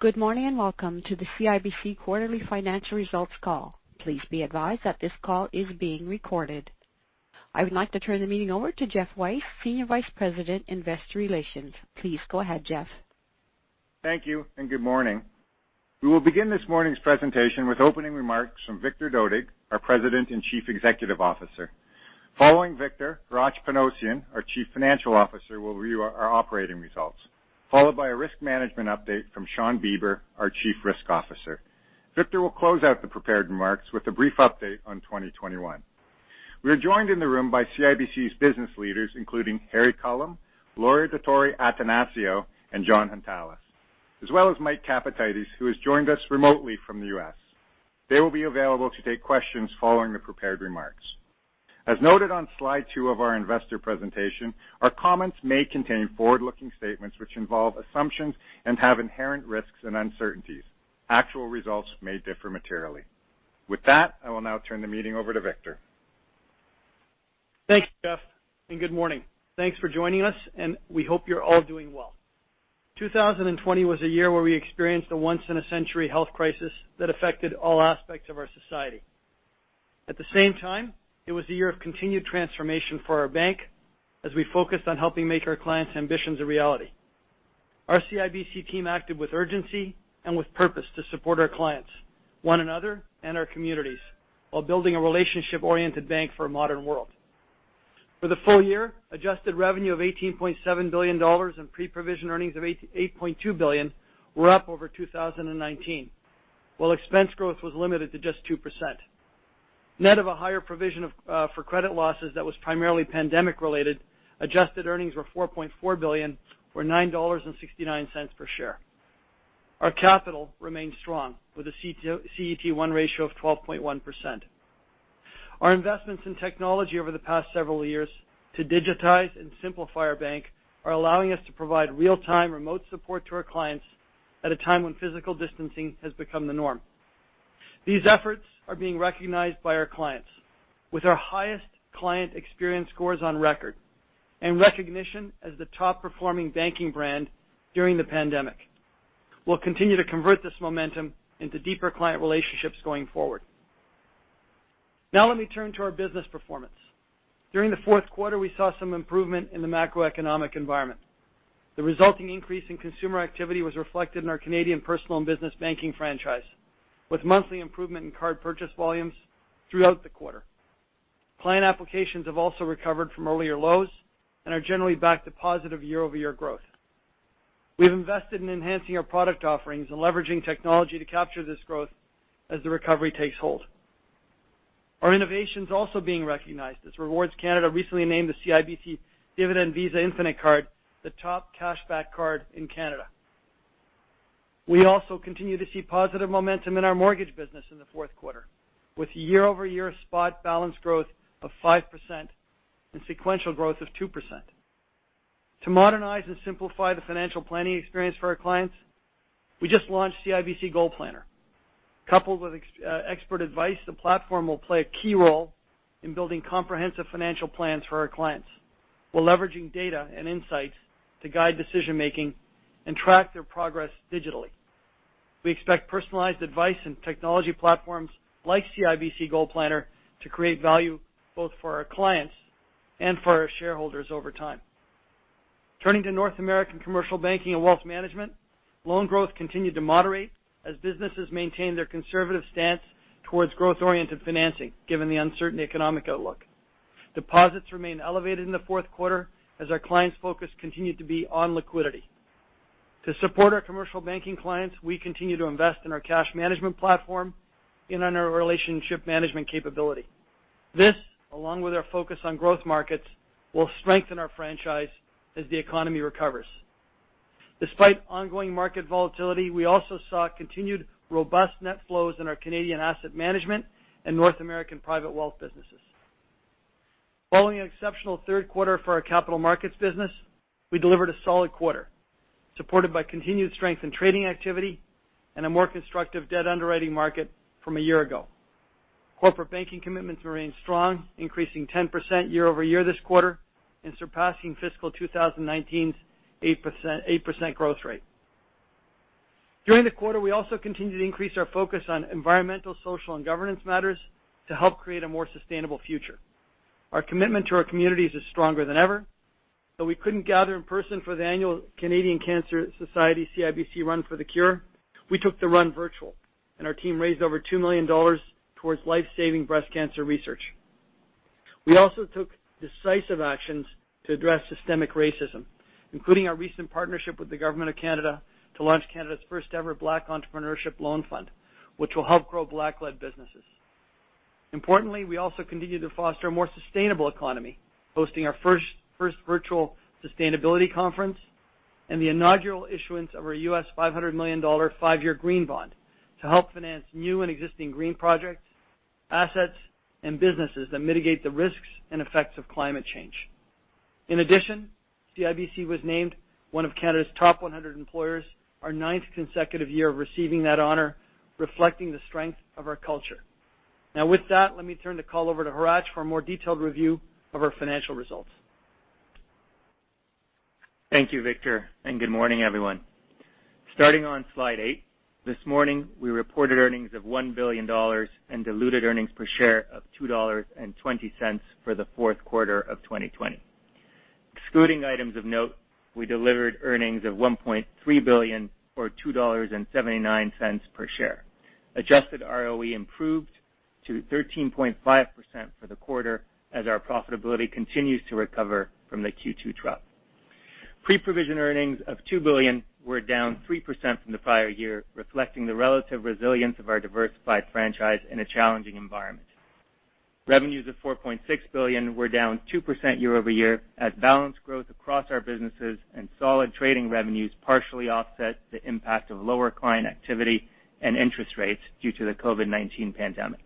Good morning and welcome to the CIBC quarterly financial results call. Please be advised that this call is being recorded. I would like to turn the meeting over to Geoff Weiss, Senior Vice President, Investor Relations. Please go ahead, Geoff. Thank you and good morning. We will begin this morning's presentation with opening remarks from Victor Dodig, our President and Chief Executive Officer. Following Victor, Hratch Panossian, our Chief Financial Officer, will review our operating results, followed by a risk management update from Shawn Beber, our Chief Risk Officer. Victor will close out the prepared remarks with a brief update on 2021. We are joined in the room by CIBC's business leaders, including Harry Culham, Laura Dottori-Attanasio, and Jon Hountalas, as well as Mike Capatides, who has joined us remotely from the U.S. They will be available to take questions following the prepared remarks. As noted on slide two of our investor presentation, our comments may contain forward-looking statements which involve assumptions and have inherent risks and uncertainties. Actual results may differ materially. With that, I will now turn the meeting over to Victor. Thank you, Geoff, and good morning. Thanks for joining us, and we hope you're all doing well. 2020 was a year where we experienced a once-in-a-century health crisis that affected all aspects of our society. At the same time, it was a year of continued transformation for our bank as we focused on helping make our clients' ambitions a reality. Our CIBC team acted with urgency and with purpose to support our clients, one another, and our communities while building a relationship-oriented bank for a modern world. For the full year, adjusted revenue of 18.7 billion dollars and pre-provision earnings of 8.2 billion were up over 2019, while expense growth was limited to just 2%. Net of a higher provision for credit losses that was primarily pandemic-related, adjusted earnings were 4.4 billion or 9.69 per share. Our capital remained strong with a CET1 ratio of 12.1%. Our investments in technology over the past several years to digitize and simplify our bank are allowing us to provide real-time remote support to our clients at a time when physical distancing has become the norm. These efforts are being recognized by our clients with our highest client experience scores on record and recognition as the top-performing banking brand during the pandemic. We'll continue to convert this momentum into deeper client relationships going forward. Now let me turn to our business performance. During the fourth quarter, we saw some improvement in the macroeconomic environment. The resulting increase in consumer activity was reflected in our Canadian Personal and Business Banking franchise with monthly improvement in card purchase volumes throughout the quarter. Client applications have also recovered from earlier lows and are generally back to positive year-over-year growth. We've invested in enhancing our product offerings and leveraging technology to capture this growth as the recovery takes hold. Our innovation is also being recognized as Rewards Canada recently named the CIBC Dividend Visa Infinite Card the top cash-back card in Canada. We also continue to see positive momentum in our mortgage business in the fourth quarter with year-over-year spot balance growth of 5% and sequential growth of 2%. To modernize and simplify the financial planning experience for our clients, we just launched CIBC Goal Planner. Coupled with expert advice, the platform will play a key role in building comprehensive financial plans for our clients while leveraging data and insights to guide decision-making and track their progress digitally. We expect personalized advice and technology platforms like CIBC Goal Planner to create value both for our clients and for our shareholders over time. Turning to North American Commercial Banking and Wealth Management, loan growth continued to moderate as businesses maintained their conservative stance towards growth-oriented financing given the uncertain economic outlook. Deposits remained elevated in the fourth quarter as our clients' focus continued to be on liquidity. To support our Commercial Banking clients, we continue to invest in our cash management platform and in our relationship management capability. This, along with our focus on growth markets, will strengthen our franchise as the economy recovers. Despite ongoing market volatility, we also saw continued robust net flows in our Canadian asset management and North American private wealth businesses. Following an exceptional third quarter for our Capital Markets business, we delivered a solid quarter supported by continued strength in trading activity and a more constructive debt underwriting market from a year ago. Corporate banking commitments remained strong, increasing 10% year-over-year this quarter and surpassing fiscal 2019's 8% growth rate. During the quarter, we also continued to increase our focus on environmental, social, and governance matters to help create a more sustainable future. Our commitment to our communities is stronger than ever. Though we could not gather in person for the annual Canadian Cancer Society CIBC Run for the Cure, we took the run virtual, and our team raised over 2 million dollars towards life-saving breast cancer research. We also took decisive actions to address systemic racism, including our recent partnership with the Government of Canada to launch Canada's first-ever Black Entrepreneurship Loan Fund, which will help grow Black-led businesses. Importantly, we also continue to foster a more sustainable economy, hosting our first virtual sustainability conference and the inaugural issuance of our $500 million five-year Green Bond to help finance new and existing green projects, assets, and businesses that mitigate the risks and effects of climate change. In addition, CIBC was named one of Canada's top 100 employers our ninth consecutive year of receiving that honor, reflecting the strength of our culture. Now, with that, let me turn the call over to Raj for a more detailed review of our financial results. Thank you, Victor, and good morning, everyone. Starting on slide eight, this morning we reported earnings of 1 billion dollars and diluted earnings per share of 2.20 dollars for the fourth quarter of 2020. Excluding items of note, we delivered earnings of 1.3 billion or 2.79 dollars per share. Adjusted ROE improved to 13.5% for the quarter as our profitability continues to recover from the Q2 trough. Pre-provision earnings of 2 billion were down 3% from the prior year, reflecting the relative resilience of our diversified franchise in a challenging environment. Revenues of 4.6 billion were down 2% year-over-year as balance growth across our businesses and solid trading revenues partially offset the impact of lower client activity and interest rates due to the COVID-19 pandemic.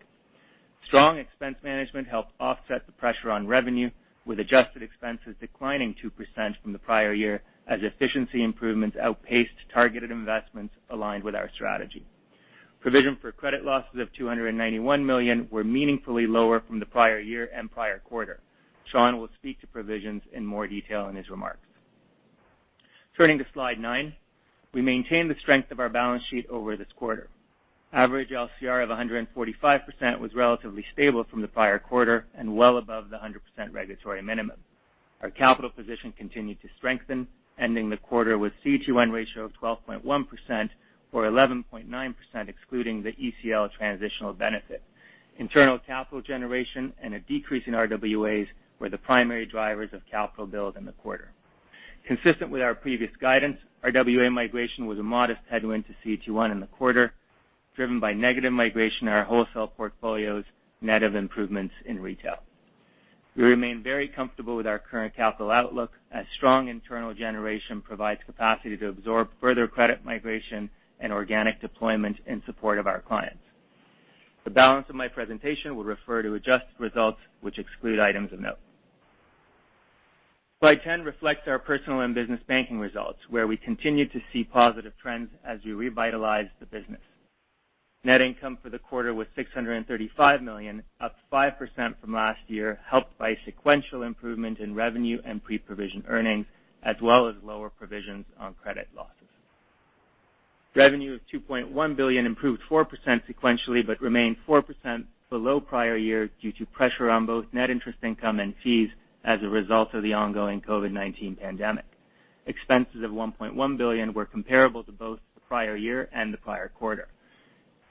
Strong expense management helped offset the pressure on revenue, with adjusted expenses declining 2% from the prior year as efficiency improvements outpaced targeted investments aligned with our strategy. Provision for credit losses of 291 million were meaningfully lower from the prior year and prior quarter. Shawn will speak to provisions in more detail in his remarks. Turning to slide nine, we maintained the strength of our balance sheet over this quarter. Average LCR of 145% was relatively stable from the prior quarter and well above the 100% regulatory minimum. Our capital position continued to strengthen, ending the quarter with a CET1 ratio of 12.1% or 11.9% excluding the ECL transitional benefit. Internal capital generation and a decrease in RWAs were the primary drivers of capital build in the quarter. Consistent with our previous guidance, RWA migration was a modest headwind to CET1 in the quarter, driven by negative migration in our wholesale portfolios and net of improvements in retail. We remain very comfortable with our current capital outlook as strong internal generation provides capacity to absorb further credit migration and organic deployment in support of our clients. The balance of my presentation will refer to adjusted results, which exclude items of note. Slide 10 reflects our personal and business banking results, where we continue to see positive trends as we revitalize the business. Net income for the quarter was 635 million, up 5% from last year, helped by sequential improvement in revenue and pre-provision earnings, as well as lower provisions on credit losses. Revenue of 2.1 billion improved 4% sequentially but remained 4% below prior year due to pressure on both net interest income and fees as a result of the ongoing COVID-19 pandemic. Expenses of 1.1 billion were comparable to both the prior year and the prior quarter.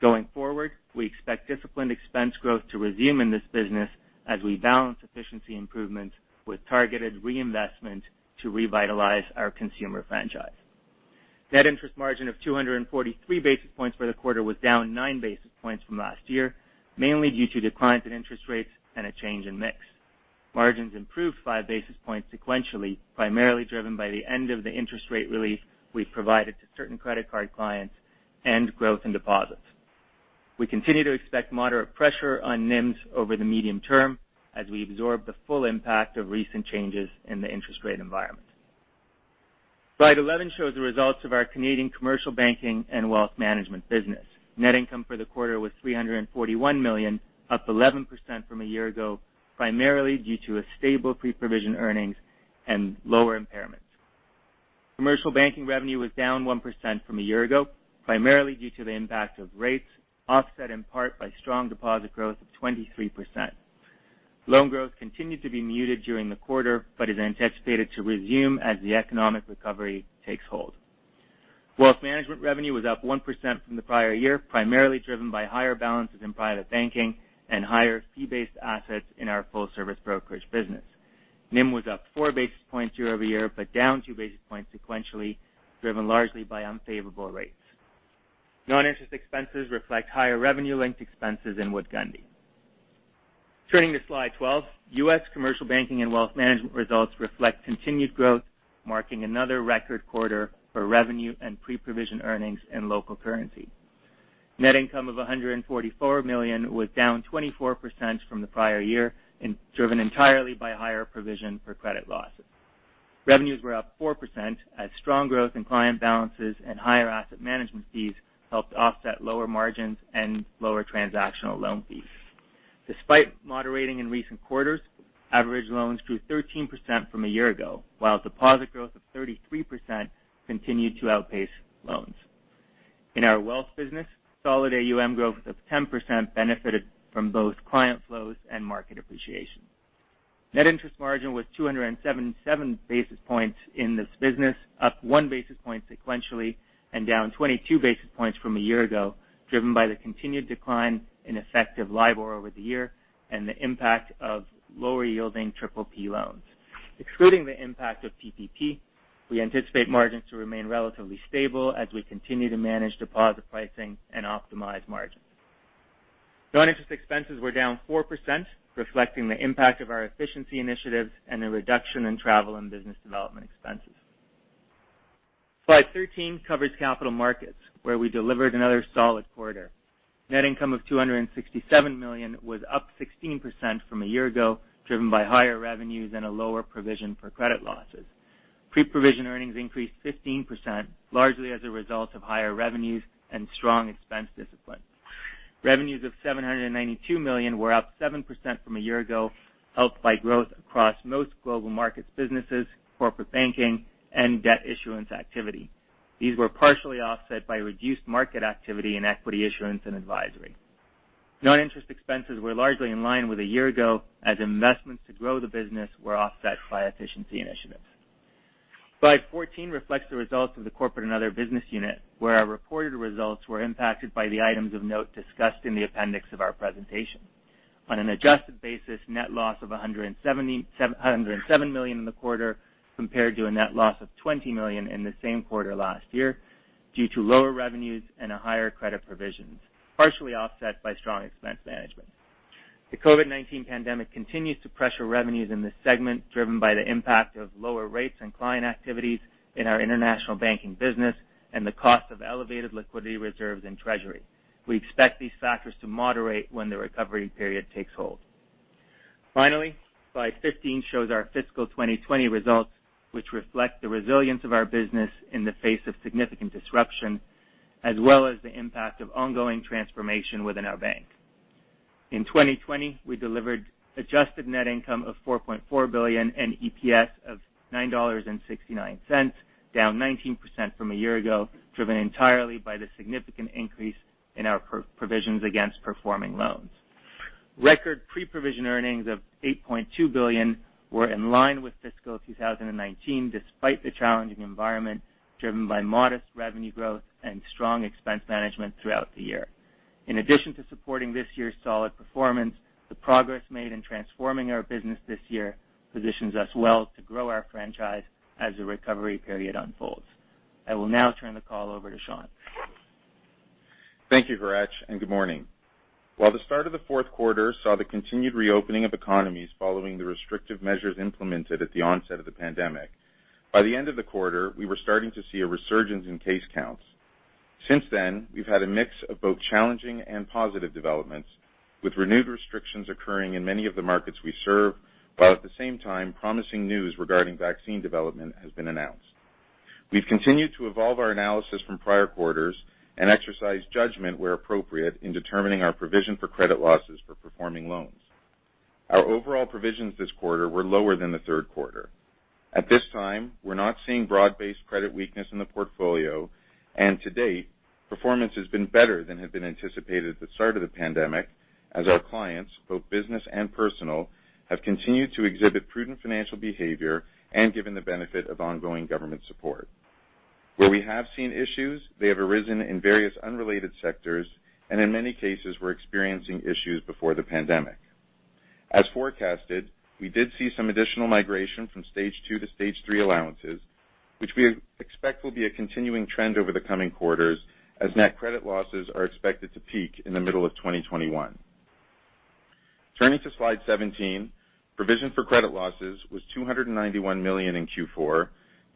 Going forward, we expect disciplined expense growth to resume in this business as we balance efficiency improvements with targeted reinvestment to revitalize our consumer franchise. Net interest margin of 243 basis points for the quarter was down 9 basis points from last year, mainly due to declines in interest rates and a change in mix. Margins improved 5 basis points sequentially, primarily driven by the end of the interest rate relief we have provided to certain credit card clients and growth in deposits. We continue to expect moderate pressure on NIMs over the medium term as we absorb the full impact of recent changes in the interest rate environment. Slide 11 shows the results of our Canadian Commercial Banking and Wealth Management business. Net income for the quarter was 341 million, up 11% from a year ago, primarily due to stable pre-provision earnings and lower impairments. Commercial Banking revenue was down 1% from a year ago, primarily due to the impact of rates, offset in part by strong deposit growth of 23%. Loan growth continued to be muted during the quarter but is anticipated to resume as the economic recovery takes hold. Wealth management revenue was up 1% from the prior year, primarily driven by higher balances in private banking and higher fee-based assets in our full-service brokerage business. NIM was up 4 basis points year-over-year but down 2 basis points sequentially, driven largely by unfavorable rates. Non-interest expenses reflect higher revenue-linked expenses in Wood Gundy. Turning to slide 12, U.S. Commercial Banking and Wealth Management results reflect continued growth, marking another record quarter for revenue and pre-provision earnings in local currency. Net income of 144 million was down 24% from the prior year and driven entirely by higher provision for credit losses. Revenues were up 4% as strong growth in client balances and higher asset management fees helped offset lower margins and lower transactional loan fees. Despite moderating in recent quarters, average loans grew 13% from a year ago, while deposit growth of 33% continued to outpace loans. In our wealth business, solid AUM growth of 10% benefited from both client flows and market appreciation. Net interest margin was 277 basis points in this business, up 1 basis point sequentially and down 22 basis points from a year ago, driven by the continued decline in effective LIBOR over the year and the impact of lower-yielding PPP loans. Excluding the impact of PPP, we anticipate margins to remain relatively stable as we continue to manage deposit pricing and optimize margins. Non-interest expenses were down 4%, reflecting the impact of our efficiency initiatives and a reduction in travel and business development expenses. Slide 13 covers Capital Markets, where we delivered another solid quarter. Net income of 267 million was up 16% from a year ago, driven by higher revenues and a lower provision for credit losses. Pre-provision earnings increased 15%, largely as a result of higher revenues and strong expense discipline. Revenues of 792 million were up 7% from a year ago, helped by growth across most global markets businesses, corporate banking, and debt issuance activity. These were partially offset by reduced market activity in equity issuance and advisory. Non-interest expenses were largely in line with a year ago as investments to grow the business were offset by efficiency initiatives. Slide 14 reflects the results of the corporate and other business unit, where our reported results were impacted by the items of note discussed in the appendix of our presentation. On an adjusted basis, net loss of 107 million in the quarter compared to a net loss of 20 million in the same quarter last year due to lower revenues and a higher credit provisions, partially offset by strong expense management. The COVID-19 pandemic continues to pressure revenues in this segment, driven by the impact of lower rates and client activities in our international banking business and the cost of elevated liquidity reserves in treasury. We expect these factors to moderate when the recovery period takes hold. Finally, slide 15 shows our fiscal 2020 results, which reflect the resilience of our business in the face of significant disruption, as well as the impact of ongoing transformation within our bank. In 2020, we delivered adjusted net income of 4.4 billion and EPS of 9.69 dollars, down 19% from a year ago, driven entirely by the significant increase in our provisions against performing loans. Record pre-provision earnings of 8.2 billion were in line with fiscal 2019, despite the challenging environment driven by modest revenue growth and strong expense management throughout the year. In addition to supporting this year's solid performance, the progress made in transforming our business this year positions us well to grow our franchise as the recovery period unfolds. I will now turn the call over to Shawn. Thank you, Raj, and good morning. While the start of the fourth quarter saw the continued reopening of economies following the restrictive measures implemented at the onset of the pandemic, by the end of the quarter, we were starting to see a resurgence in case counts. Since then, we've had a mix of both challenging and positive developments, with renewed restrictions occurring in many of the markets we serve, while at the same time, promising news regarding vaccine development has been announced. We've continued to evolve our analysis from prior quarters and exercise judgment where appropriate in determining our provision for credit losses for performing loans. Our overall provisions this quarter were lower than the third quarter. At this time, we're not seeing broad-based credit weakness in the portfolio, and to date, performance has been better than had been anticipated at the start of the pandemic, as our clients, both business and personal, have continued to exhibit prudent financial behavior and given the benefit of ongoing government support. Where we have seen issues, they have arisen in various unrelated sectors, and in many cases, we were experiencing issues before the pandemic. As forecasted, we did see some additional migration from stage two to stage three allowances, which we expect will be a continuing trend over the coming quarters, as net credit losses are expected to peak in the middle of 2021. Turning to slide 17, provision for credit losses was 291 million in Q4,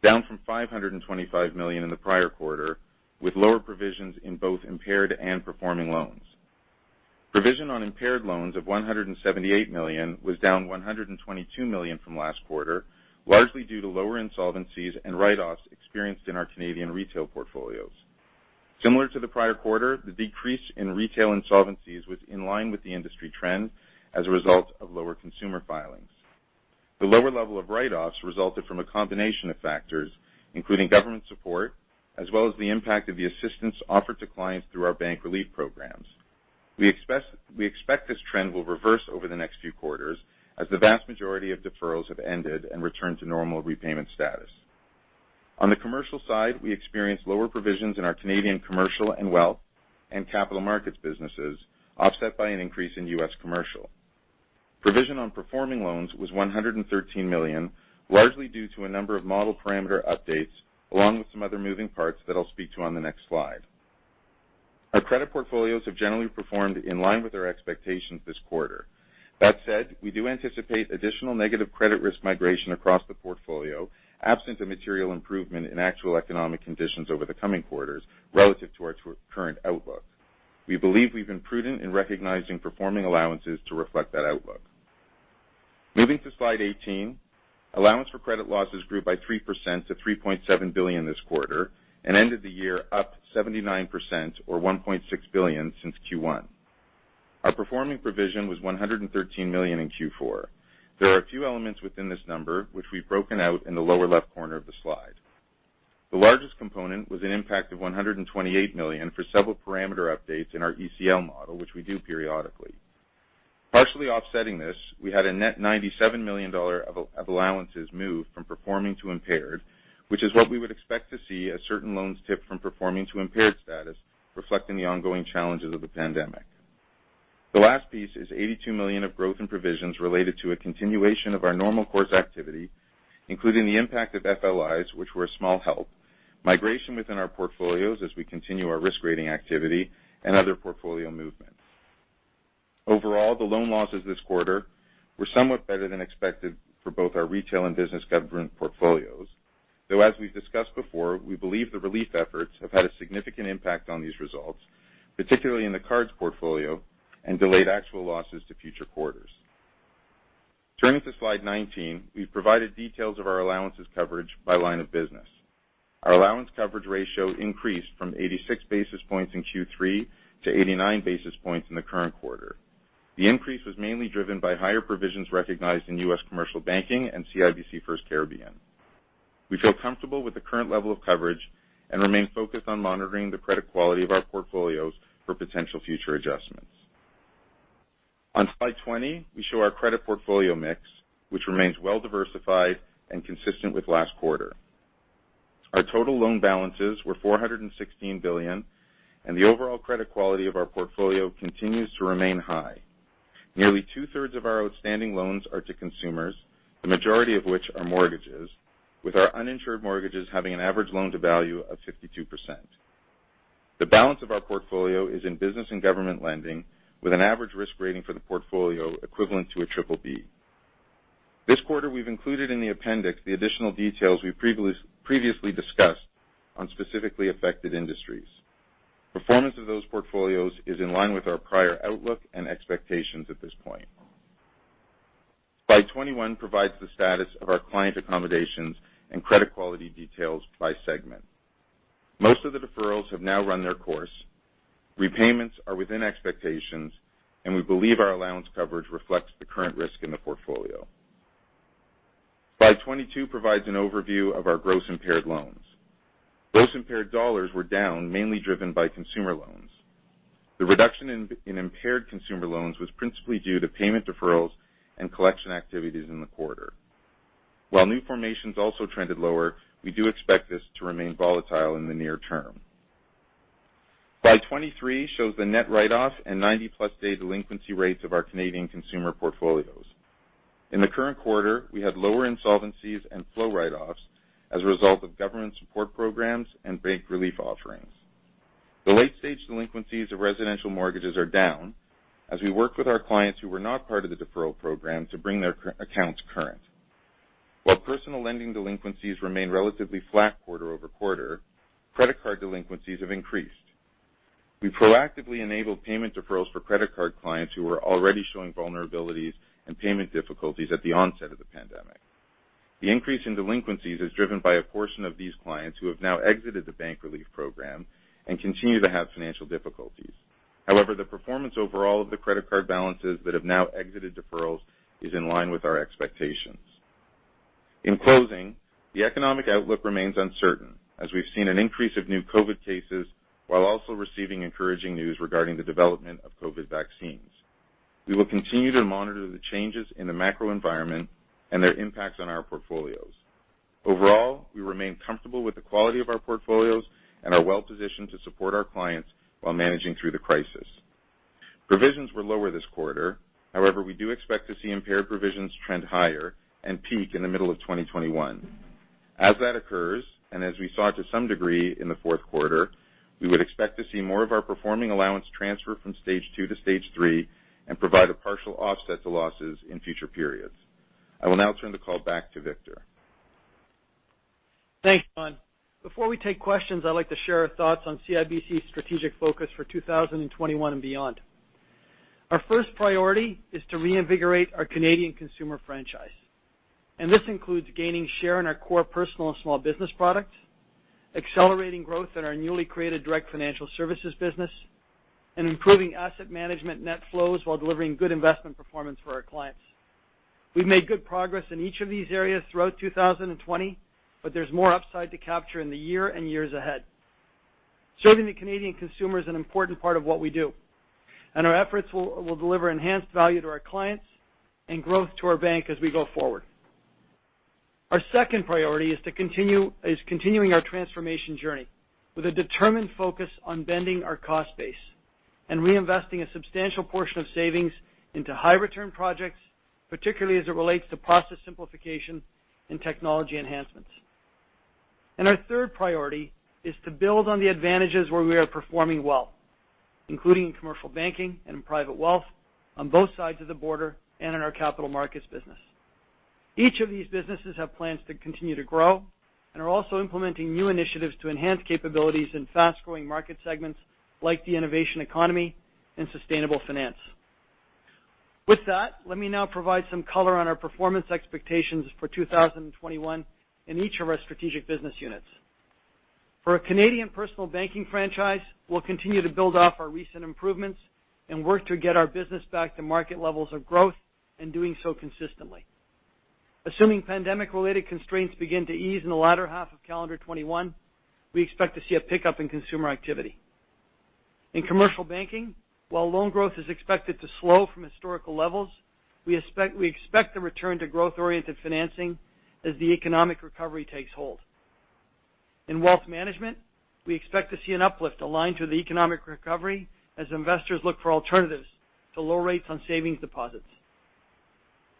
down from 525 million in the prior quarter, with lower provisions in both impaired and performing loans. Provision on impaired loans of 178 million was down 122 million from last quarter, largely due to lower insolvencies and write-offs experienced in our Canadian retail portfolios. Similar to the prior quarter, the decrease in retail insolvencies was in line with the industry trend as a result of lower consumer filings. The lower level of write-offs resulted from a combination of factors, including government support, as well as the impact of the assistance offered to clients through our bank relief programs. We expect this trend will reverse over the next few quarters, as the vast majority of deferrals have ended and returned to normal repayment status. On the commercial side, we experienced lower provisions in our Canadian commercial and wealth and Capital Markets businesses, offset by an increase in U.S. commercial. Provision on performing loans was 113 million, largely due to a number of model parameter updates, along with some other moving parts that I'll speak to on the next slide. Our credit portfolios have generally performed in line with our expectations this quarter. That said, we do anticipate additional negative credit risk migration across the portfolio, absent a material improvement in actual economic conditions over the coming quarters relative to our current outlook. We believe we've been prudent in recognizing performing allowances to reflect that outlook. Moving to slide 18, allowance for credit losses grew by 3% to 3.7 billion this quarter and ended the year up 79%, or 1.6 billion, since Q1. Our performing provision was 113 million in Q4. There are a few elements within this number, which we've broken out in the lower left corner of the slide. The largest component was an impact of 128 million for several parameter updates in our ECL model, which we do periodically. Partially offsetting this, we had a net 97 million dollar of allowances move from performing to impaired, which is what we would expect to see as certain loans tip from performing to impaired status, reflecting the ongoing challenges of the pandemic. The last piece is 82 million of growth in provisions related to a continuation of our normal course activity, including the impact of FLIs, which were a small help, migration within our portfolios as we continue our risk-rating activity, and other portfolio movements. Overall, the loan losses this quarter were somewhat better than expected for both our retail and business government portfolios, though, as we've discussed before, we believe the relief efforts have had a significant impact on these results, particularly in the cards portfolio, and delayed actual losses to future quarters. Turning to slide 19, we've provided details of our allowances coverage by line of business. Our allowance coverage ratio increased from 86 basis points in Q3 to 89 basis points in the current quarter. The increase was mainly driven by higher provisions recognized in U.S. Commercial Banking and CIBC FirstCaribbean. We feel comfortable with the current level of coverage and remain focused on monitoring the credit quality of our portfolios for potential future adjustments. On slide 20, we show our credit portfolio mix, which remains well-diversified and consistent with last quarter. Our total loan balances were 416 billion, and the overall credit quality of our portfolio continues to remain high. Nearly two-thirds of our outstanding loans are to consumers, the majority of which are mortgages, with our uninsured mortgages having an average loan-to-value of 52%. The balance of our portfolio is in business and government lending, with an average risk rating for the portfolio equivalent to a BBB. This quarter, we've included in the appendix the additional details we previously discussed on specifically affected industries. Performance of those portfolios is in line with our prior outlook and expectations at this point. Slide 21 provides the status of our client accommodations and credit quality details by segment. Most of the deferrals have now run their course. Repayments are within expectations, and we believe our allowance coverage reflects the current risk in the portfolio. Slide 22 provides an overview of our gross impaired loans. Gross impaired dollars were down, mainly driven by consumer loans. The reduction in impaired consumer loans was principally due to payment deferrals and collection activities in the quarter. While new formations also trended lower, we do expect this to remain volatile in the near term. Slide 23 shows the net write-off and 90-plus-day delinquency rates of our Canadian consumer portfolios. In the current quarter, we had lower insolvencies and flow write-offs as a result of government support programs and bank relief offerings. The late-stage delinquencies of residential mortgages are down, as we worked with our clients who were not part of the deferral program to bring their accounts current. While personal lending delinquencies remain relatively flat quarter over quarter, credit card delinquencies have increased. We proactively enabled payment deferrals for credit card clients who were already showing vulnerabilities and payment difficulties at the onset of the pandemic. The increase in delinquencies is driven by a portion of these clients who have now exited the bank relief program and continue to have financial difficulties. However, the performance overall of the credit card balances that have now exited deferrals is in line with our expectations. In closing, the economic outlook remains uncertain, as we've seen an increase of new COVID cases while also receiving encouraging news regarding the development of COVID vaccines. We will continue to monitor the changes in the macro environment and their impacts on our portfolios. Overall, we remain comfortable with the quality of our portfolios and are well-positioned to support our clients while managing through the crisis. Provisions were lower this quarter. However, we do expect to see impaired provisions trend higher and peak in the middle of 2021. As that occurs, and as we saw to some degree in the fourth quarter, we would expect to see more of our performing allowance transfer from stage two to stage three and provide a partial offset to losses in future periods. I will now turn the call back to Victor. Thanks, Shawn. Before we take questions, I'd like to share our thoughts on CIBC's strategic focus for 2021 and beyond. Our first priority is to reinvigorate our Canadian consumer franchise. This includes gaining share in our core personal and small business products, accelerating growth in our newly created direct financial services business, and improving asset management net flows while delivering good investment performance for our clients. We've made good progress in each of these areas throughout 2020, but there's more upside to capture in the year and years ahead. Serving the Canadian consumer is an important part of what we do, and our efforts will deliver enhanced value to our clients and growth to our bank as we go forward. Our second priority is continuing our transformation journey with a determined focus on bending our cost base and reinvesting a substantial portion of savings into high-return projects, particularly as it relates to process simplification and technology enhancements. Our third priority is to build on the advantages where we are performing well, including in Commercial Banking and Private Wealth on both sides of the border and in our Capital Markets business. Each of these businesses have plans to continue to grow and are also implementing new initiatives to enhance capabilities in fast-growing market segments like the innovation economy and sustainable finance. With that, let me now provide some color on our performance expectations for 2021 in each of our strategic business units. For a Canadian personal banking franchise, we'll continue to build off our recent improvements and work to get our business back to market levels of growth and doing so consistently. Assuming pandemic-related constraints begin to ease in the latter half of calendar 2021, we expect to see a pickup in consumer activity. In Commercial Banking, while loan growth is expected to slow from historical levels, we expect a return to growth-oriented financing as the economic recovery takes hold. In wealth management, we expect to see an uplift aligned to the economic recovery as investors look for alternatives to low rates on savings deposits.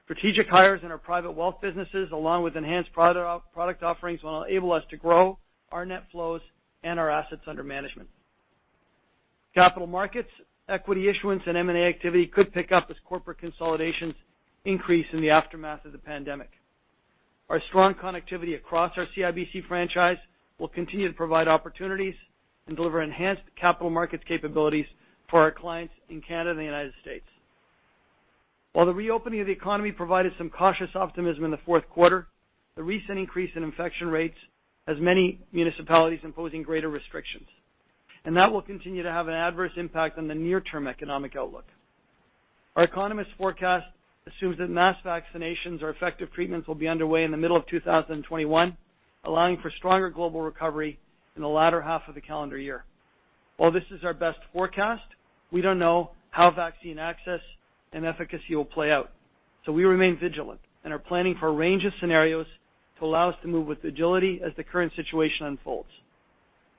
Strategic hires in our private wealth businesses, along with enhanced product offerings, will enable us to grow our net flows and our assets under management. Capital Markets, equity issuance, and M&A activity could pick up as corporate consolidations increase in the aftermath of the pandemic. Our strong connectivity across our CIBC franchise will continue to provide opportunities and deliver enhanced Capital Markets capabilities for our clients in Canada and the United States. While the reopening of the economy provided some cautious optimism in the fourth quarter, the recent increase in infection rates has many municipalities imposing greater restrictions, and that will continue to have an adverse impact on the near-term economic outlook. Our economist forecast assumes that mass vaccinations or effective treatments will be underway in the middle of 2021, allowing for stronger global recovery in the latter half of the calendar year. While this is our best forecast, we don't know how vaccine access and efficacy will play out, so we remain vigilant and are planning for a range of scenarios to allow us to move with agility as the current situation unfolds.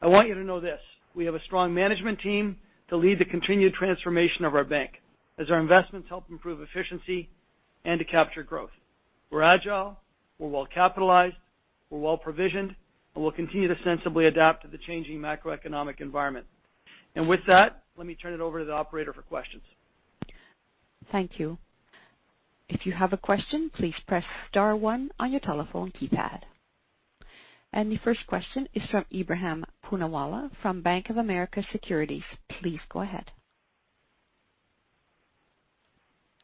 I want you to know this: we have a strong management team to lead the continued transformation of our bank, as our investments help improve efficiency and to capture growth. We are agile, we are well-capitalized, we are well-provisioned, and we will continue to sensibly adapt to the changing macroeconomic environment. With that, let me turn it over to the operator for questions. Thank you. If you have a question, please press star one on your telephone keypad. The first question is from Ebrahim Poonawala from Bank of America Securities. Please go ahead.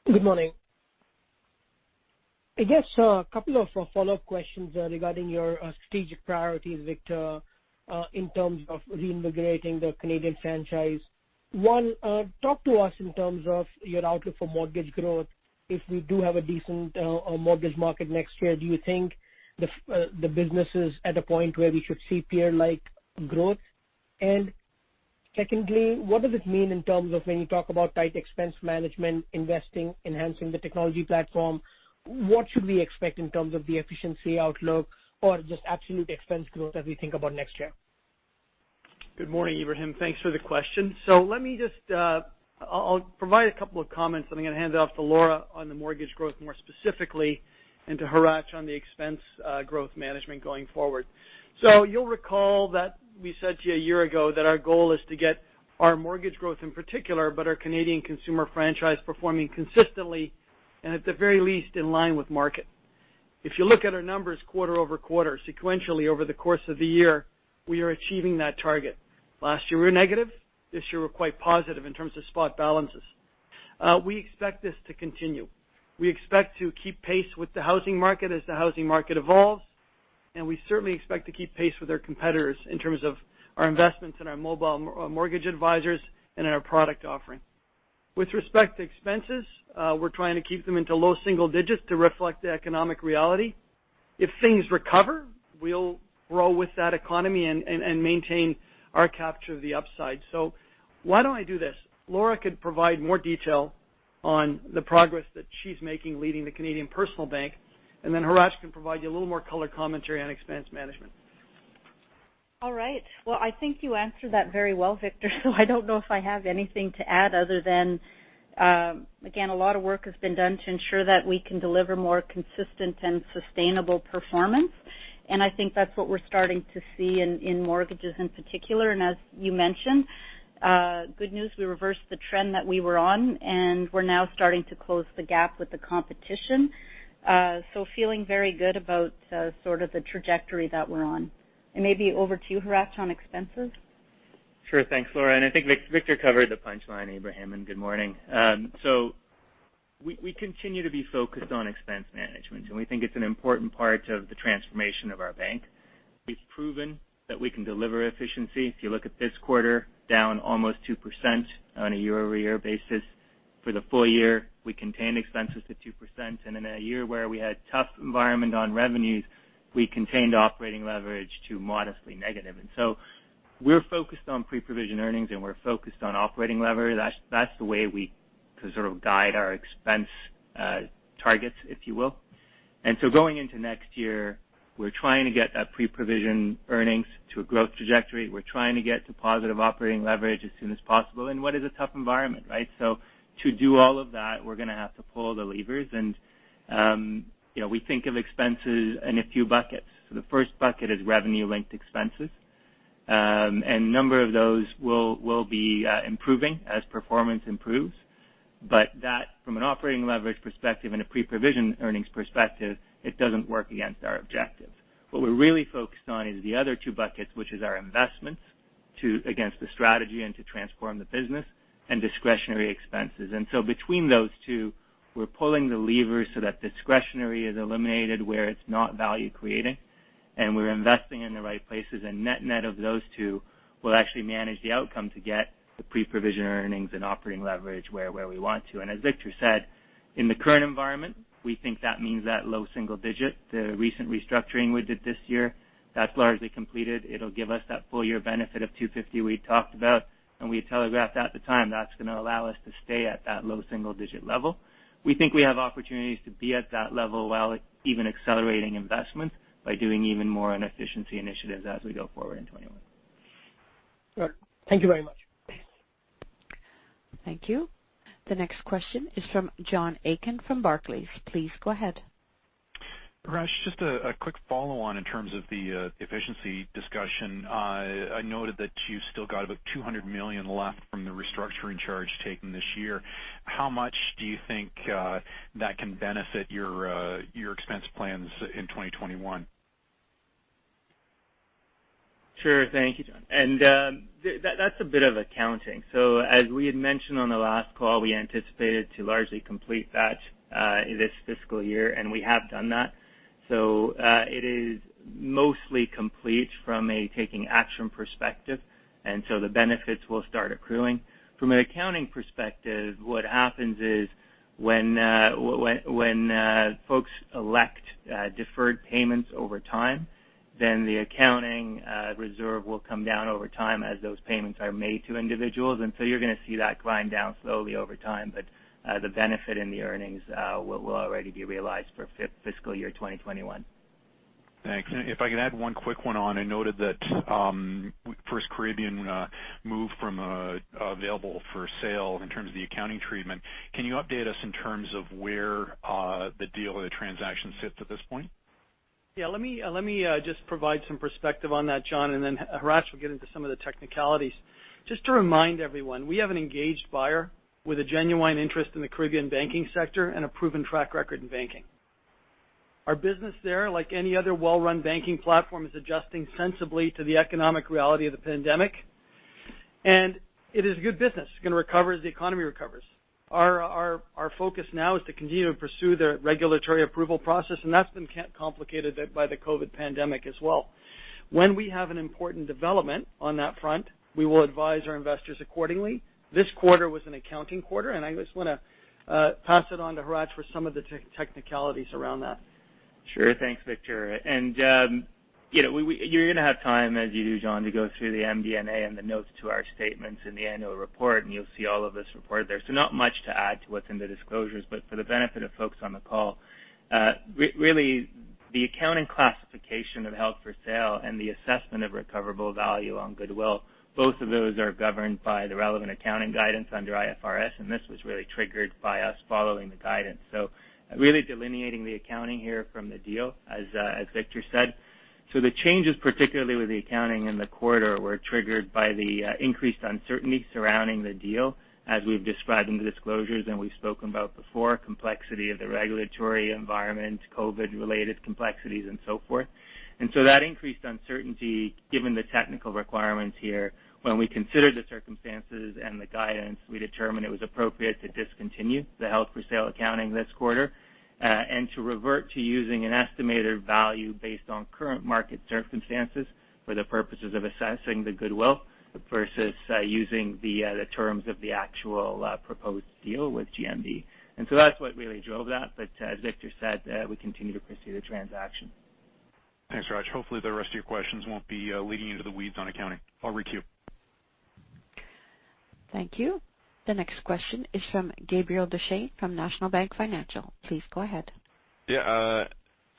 Good morning. Yes, a couple of follow-up questions regarding your strategic priorities, Victor, in terms of reinvigorating the Canadian franchise. One, talk to us in terms of your outlook for mortgage growth. If we do have a decent mortgage market next year, do you think the business is at a point where we should see peer-like growth? Secondly, what does it mean in terms of when you talk about tight expense management, investing, enhancing the technology platform? What should we expect in terms of the efficiency outlook or just absolute expense growth as we think about next year? Good morning, Abraham. Thanks for the question. Let me just provide a couple of comments, and I'm going to hand it off to Laura on the mortgage growth more specifically and to Hratch on the expense growth management going forward. You'll recall that we said to you a year ago that our goal is to get our mortgage growth in particular, but our Canadian consumer franchise performing consistently and, at the very least, in line with market. If you look at our numbers quarter over quarter, sequentially over the course of the year, we are achieving that target. Last year, we were negative. This year, we're quite positive in terms of spot balances. We expect this to continue. We expect to keep pace with the housing market as the housing market evolves, and we certainly expect to keep pace with our competitors in terms of our investments and our mobile mortgage advisors and in our product offering. With respect to expenses, we're trying to keep them in the low single digits to reflect the economic reality. If things recover, we'll grow with that economy and maintain our capture of the upside. Why don't I do this? Laura could provide more detail on the progress that she's making leading the Canadian personal bank, and then Hratch can provide you a little more color commentary on expense management. All right. I think you answered that very well, Victor, so I do not know if I have anything to add other than, again, a lot of work has been done to ensure that we can deliver more consistent and sustainable performance. I think that is what we are starting to see in mortgages in particular. As you mentioned, good news, we reversed the trend that we were on, and we are now starting to close the gap with the competition. Feeling very good about sort of the trajectory that we are on. Maybe over to you, Hratch, on expenses. Sure. Thanks, Laura. I think Victor covered the punchline, Abraham, and good morning. We continue to be focused on expense management, and we think it's an important part of the transformation of our bank. We've proven that we can deliver efficiency. If you look at this quarter, down almost 2% on a year-over-year basis. For the full year, we contained expenses to 2%. In a year where we had a tough environment on revenues, we contained operating leverage to modestly negative. We are focused on pre-provision earnings, and we are focused on operating leverage. That's the way we sort of guide our expense targets, if you will. Going into next year, we're trying to get that pre-provision earnings to a growth trajectory. We're trying to get to positive operating leverage as soon as possible in what is a tough environment, right? To do all of that, we're going to have to pull the levers. We think of expenses in a few buckets. The first bucket is revenue-linked expenses. A number of those will be improving as performance improves. That, from an operating leverage perspective and a pre-provision earnings perspective, does not work against our objectives. What we're really focused on is the other two buckets, which are our investments against the strategy and to transform the business and discretionary expenses. Between those two, we're pulling the levers so that discretionary is eliminated where it's not value-creating, and we're investing in the right places. Net-net of those two, we will actually manage the outcome to get the pre-provision earnings and operating leverage where we want to. As Victor said, in the current environment, we think that means that low single digit. The recent restructuring we did this year, that's largely completed. It'll give us that full-year benefit of 250 million we talked about, and we telegraphed at the time that's going to allow us to stay at that low single-digit level. We think we have opportunities to be at that level while even accelerating investments by doing even more on efficiency initiatives as we go forward in 2021. All right. Thank you very much. Thank you. The next question is from John Aiken from Barclays. Please go ahead. Hratch, just a quick follow-on in terms of the efficiency discussion. I noted that you've still got about 200 million left from the restructuring charge taken this year. How much do you think that can benefit your expense plans in 2021? Sure. Thank you, John. That is a bit of accounting. As we had mentioned on the last call, we anticipated to largely complete that this fiscal year, and we have done that. It is mostly complete from a taking-action perspective, and the benefits will start accruing. From an accounting perspective, what happens is when folks elect deferred payments over time, the accounting reserve will come down over time as those payments are made to individuals. You are going to see that grind down slowly over time, but the benefit in the earnings will already be realized for fiscal year 2021. Thanks. If I can add one quick one, I noted that FirstCaribbean moved from available for sale in terms of the accounting treatment. Can you update us in terms of where the deal or the transaction sits at this point? Yeah. Let me just provide some perspective on that, John, and then Hratch will get into some of the technicalities. Just to remind everyone, we have an engaged buyer with a genuine interest in the Caribbean banking sector and a proven track record in banking. Our business there, like any other well-run banking platform, is adjusting sensibly to the economic reality of the pandemic, and it is a good business. It's going to recover as the economy recovers. Our focus now is to continue to pursue the regulatory approval process, and that's been complicated by the COVID pandemic as well. When we have an important development on that front, we will advise our investors accordingly. This quarter was an accounting quarter, and I just want to pass it on to Hratch for some of the technicalities around that. Sure. Thanks, Victor. You are going to have time, as you do, John, to go through the MD&A and the notes to our statements in the annual report, and you will see all of this reported there. Not much to add to what is in the disclosures, but for the benefit of folks on the call, really, the accounting classification of held for sale and the assessment of recoverable value on goodwill, both of those are governed by the relevant accounting guidance under IFRS, and this was really triggered by us following the guidance. Really delineating the accounting here from the deal, as Victor said. The changes, particularly with the accounting in the quarter, were triggered by the increased uncertainty surrounding the deal, as we have described in the disclosures and we have spoken about before, complexity of the regulatory environment, COVID-related complexities, and so forth. That increased uncertainty, given the technical requirements here, when we considered the circumstances and the guidance, we determined it was appropriate to discontinue the held for sale accounting this quarter and to revert to using an estimated value based on current market circumstances for the purposes of assessing the goodwill versus using the terms of the actual proposed deal with GMV. That is what really drove that. As Victor said, we continue to pursue the transaction. Thanks, Hratch. Hopefully, the rest of your questions won't be leading you into the weeds on accounting. I'll reach you. Thank you. The next question is from Gabriel Dechaine from National Bank Financial. Please go ahead. Yeah.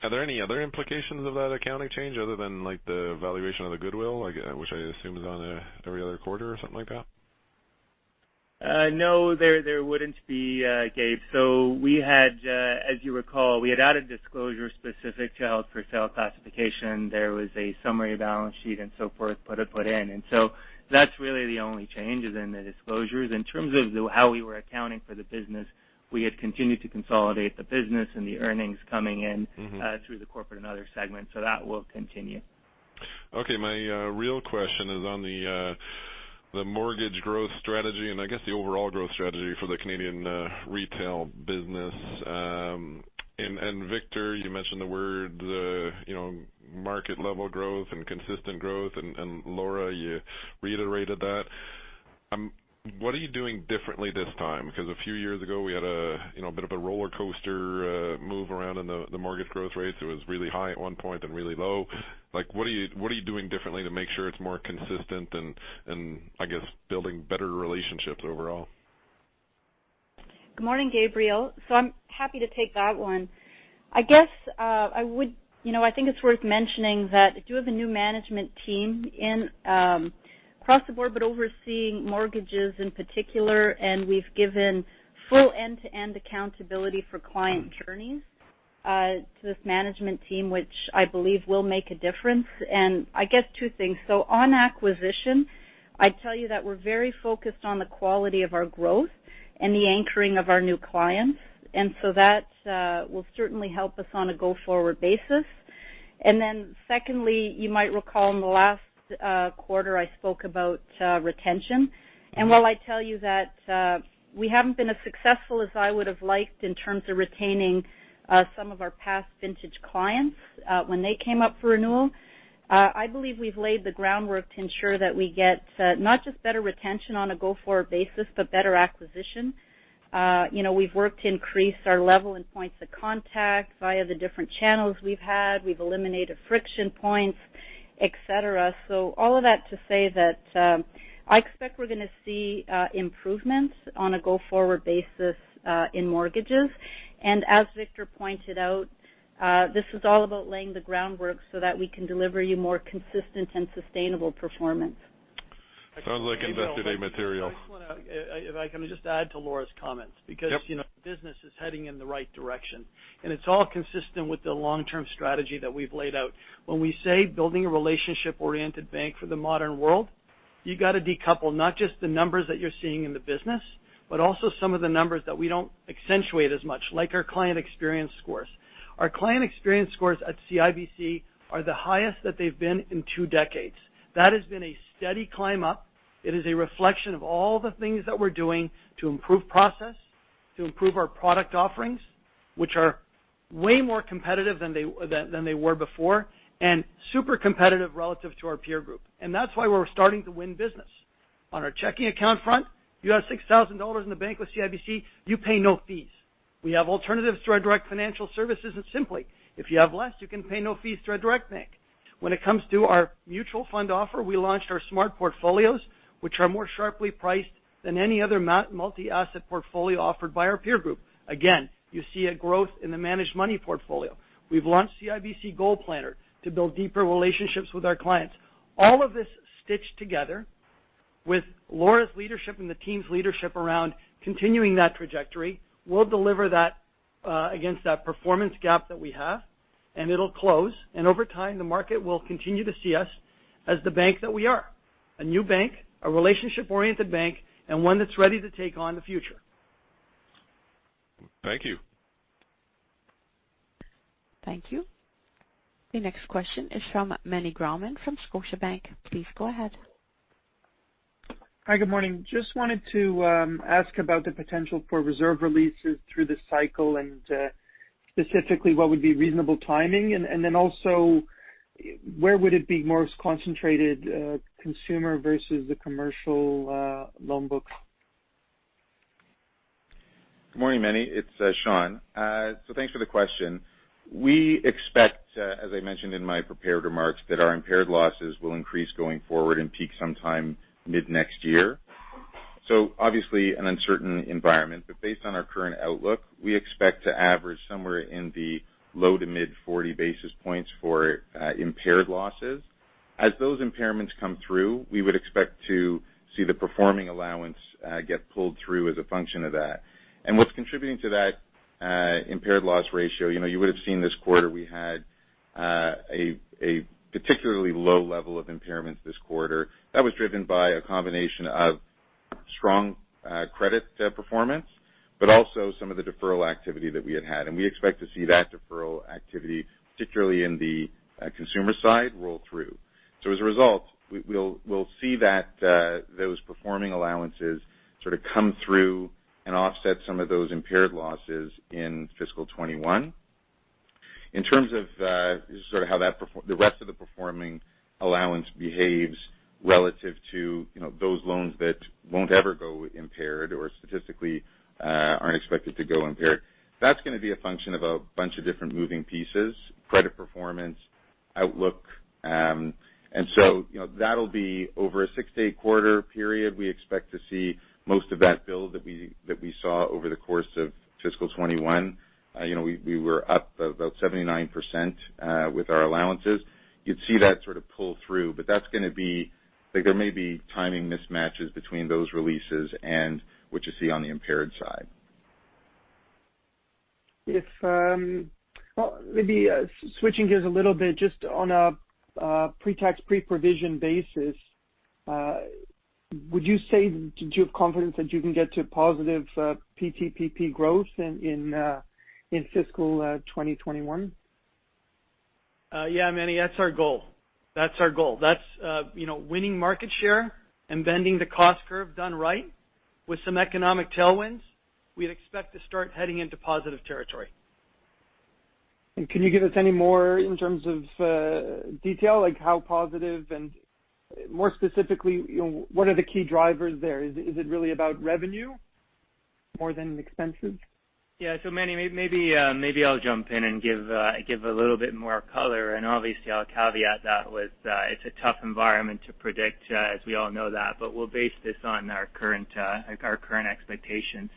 Are there any other implications of that accounting change other than the valuation of the goodwill, which I assume is on every other quarter or something like that? No, there wouldn't be, Gabe. We had, as you recall, added disclosures specific to held for sale classification. There was a summary balance sheet and so forth put in. That is really the only change in the disclosures. In terms of how we were accounting for the business, we had continued to consolidate the business and the earnings coming in through the corporate and other segments, so that will continue. Okay. My real question is on the mortgage growth strategy and I guess the overall growth strategy for the Canadian retail business. Victor, you mentioned the words market-level growth and consistent growth, and Laura, you reiterated that. What are you doing differently this time? Because a few years ago, we had a bit of a roller coaster move around in the mortgage growth rates. It was really high at one point and really low. What are you doing differently to make sure it's more consistent and, I guess, building better relationships overall? Good morning, Gabriel. I am happy to take that one. I think it is worth mentioning that I do have a new management team across the board but overseeing mortgages in particular, and we have given full end-to-end accountability for client journeys to this management team, which I believe will make a difference. I guess two things. On acquisition, I would tell you that we are very focused on the quality of our growth and the anchoring of our new clients, and that will certainly help us on a go-forward basis. Secondly, you might recall in the last quarter, I spoke about retention. While I tell you that we haven't been as successful as I would have liked in terms of retaining some of our past vintage clients when they came up for renewal, I believe we've laid the groundwork to ensure that we get not just better retention on a go-forward basis but better acquisition. We've worked to increase our level and points of contact via the different channels we've had. We've eliminated friction points, etc. All of that to say that I expect we're going to see improvements on a go-forward basis in mortgages. As Victor pointed out, this is all about laying the groundwork so that we can deliver you more consistent and sustainable performance. Sounds like investigative material. If I can just add to Laura's comments because the business is heading in the right direction, and it's all consistent with the long-term strategy that we've laid out. When we say building a relationship-oriented bank for the modern world, you've got to decouple not just the numbers that you're seeing in the business but also some of the numbers that we don't accentuate as much, like our client experience scores. Our client experience scores at CIBC are the highest that they've been in two decades. That has been a steady climb up. It is a reflection of all the things that we're doing to improve process, to improve our product offerings, which are way more competitive than they were before and super competitive relative to our peer group. That's why we're starting to win business. On our checking account front, you have 6,000 dollars in the bank with CIBC, you pay no fees. We have alternatives to our direct financial services at Simplii. If you have less, you can pay no fees to our direct bank. When it comes to our mutual fund offer, we launched our Smart Portfolios, which are more sharply priced than any other multi-asset portfolio offered by our peer group. Again, you see a growth in the managed money portfolio. We have launched CIBC Goal Planner to build deeper relationships with our clients. All of this stitched together with Laura's leadership and the team's leadership around continuing that trajectory will deliver against that performance gap that we have, and it will close. Over time, the market will continue to see us as the bank that we are: a new bank, a relationship-oriented bank, and one that is ready to take on the future. Thank you. Thank you. The next question is from Meny Grauman from Scotiabank. Please go ahead. Hi, good morning. Just wanted to ask about the potential for reserve releases through the cycle and specifically what would be reasonable timing. Also, where would it be most concentrated, consumer versus the commercial loan books? Good morning, Meny. It's Shawn. Thanks for the question. We expect, as I mentioned in my prepared remarks, that our impaired losses will increase going forward and peak sometime mid-next year. Obviously, an uncertain environment. Based on our current outlook, we expect to average somewhere in the low to mid-40 basis points for impaired losses. As those impairments come through, we would expect to see the performing allowance get pulled through as a function of that. What's contributing to that impaired loss ratio? You would have seen this quarter we had a particularly low level of impairments this quarter. That was driven by a combination of strong credit performance but also some of the deferral activity that we had had. We expect to see that deferral activity, particularly in the consumer side, roll through. As a result, we'll see those performing allowances sort of come through and offset some of those impaired losses in fiscal 2021. In terms of sort of how the rest of the performing allowance behaves relative to those loans that will not ever go impaired or statistically are not expected to go impaired, that is going to be a function of a bunch of different moving pieces: credit performance, outlook. That will be over a six-day quarter period. We expect to see most of that build that we saw over the course of fiscal 2021. We were up about 79% with our allowances. You would see that sort of pull through, but that is going to be—there may be timing mismatches between those releases and what you see on the impaired side. Maybe switching gears a little bit, just on a pre-tax, pre-provision basis, would you say that you have confidence that you can get to positive PTPP growth in fiscal 2021? Yeah, Meny, that's our goal. That's our goal. That's winning market share and bending the cost curve done right with some economic tailwinds. We expect to start heading into positive territory. Can you give us any more in terms of detail, like how positive and more specifically, what are the key drivers there? Is it really about revenue more than expenses? Yeah. Meny, maybe I'll jump in and give a little bit more color. Obviously, I'll caveat that with it's a tough environment to predict, as we all know that, but we'll base this on our current expectations.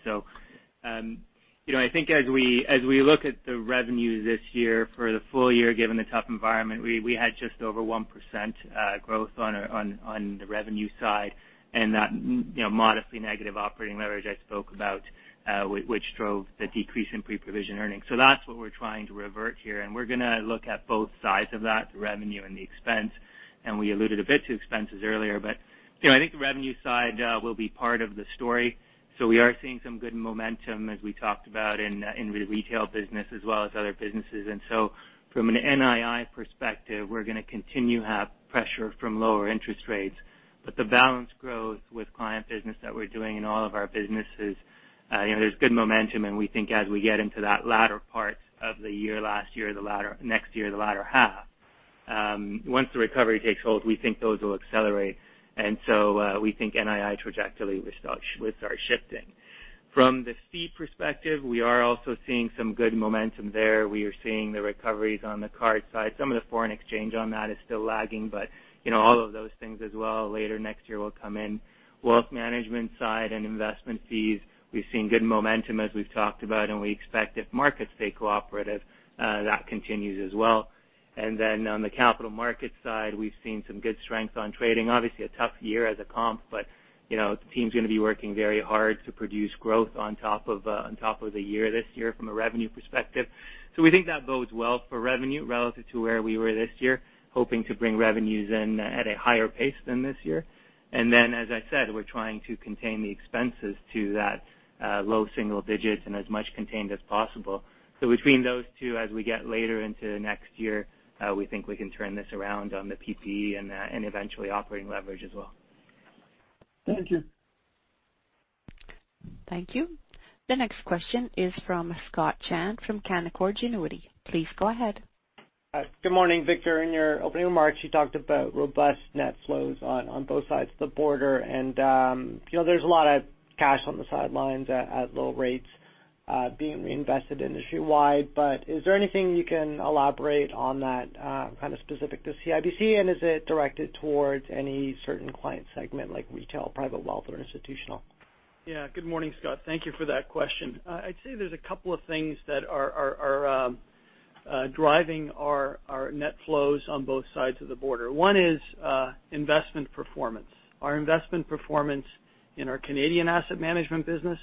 I think as we look at the revenues this year for the full year, given the tough environment, we had just over 1% growth on the revenue side and that modestly negative operating leverage I spoke about, which drove the decrease in pre-provision earnings. That's what we're trying to revert here. We're going to look at both sides of that, the revenue and the expense. We alluded a bit to expenses earlier, but I think the revenue side will be part of the story. We are seeing some good momentum, as we talked about, in the retail business as well as other businesses. From an NII perspective, we're going to continue to have pressure from lower interest rates. The balance growth with client business that we're doing in all of our businesses, there's good momentum. We think as we get into that latter part of the year last year, next year, the latter half, once the recovery takes hold, we think those will accelerate. We think NII trajectory will start shifting. From the fee perspective, we are also seeing some good momentum there. We are seeing the recoveries on the card side. Some of the foreign exchange on that is still lagging, but all of those things as well later next year will come in. Wealth management side and investment fees, we've seen good momentum, as we've talked about, and we expect if markets stay cooperative, that continues as well. On the Capital Market side, we've seen some good strength on trading. Obviously, a tough year as a comp, but the team's going to be working very hard to produce growth on top of the year this year from a revenue perspective. We think that bodes well for revenue relative to where we were this year, hoping to bring revenues in at a higher pace than this year. As I said, we're trying to contain the expenses to that low single digit and as much contained as possible. Between those two, as we get later into next year, we think we can turn this around on the PPE and eventually operating leverage as well. Thank you. Thank you. The next question is from Scott Chan from Canaccord Genuity. Please go ahead. Good morning. Victor, in your opening remarks, you talked about robust net flows on both sides of the border. There is a lot of cash on the sidelines at low rates being reinvested industry-wide. Is there anything you can elaborate on that kind of specific to CIBC, and is it directed towards any certain client segment like retail, private wealth, or institutional? Yeah. Good morning, Scott. Thank you for that question. I'd say there's a couple of things that are driving our net flows on both sides of the border. One is investment performance. Our investment performance in our Canadian asset management business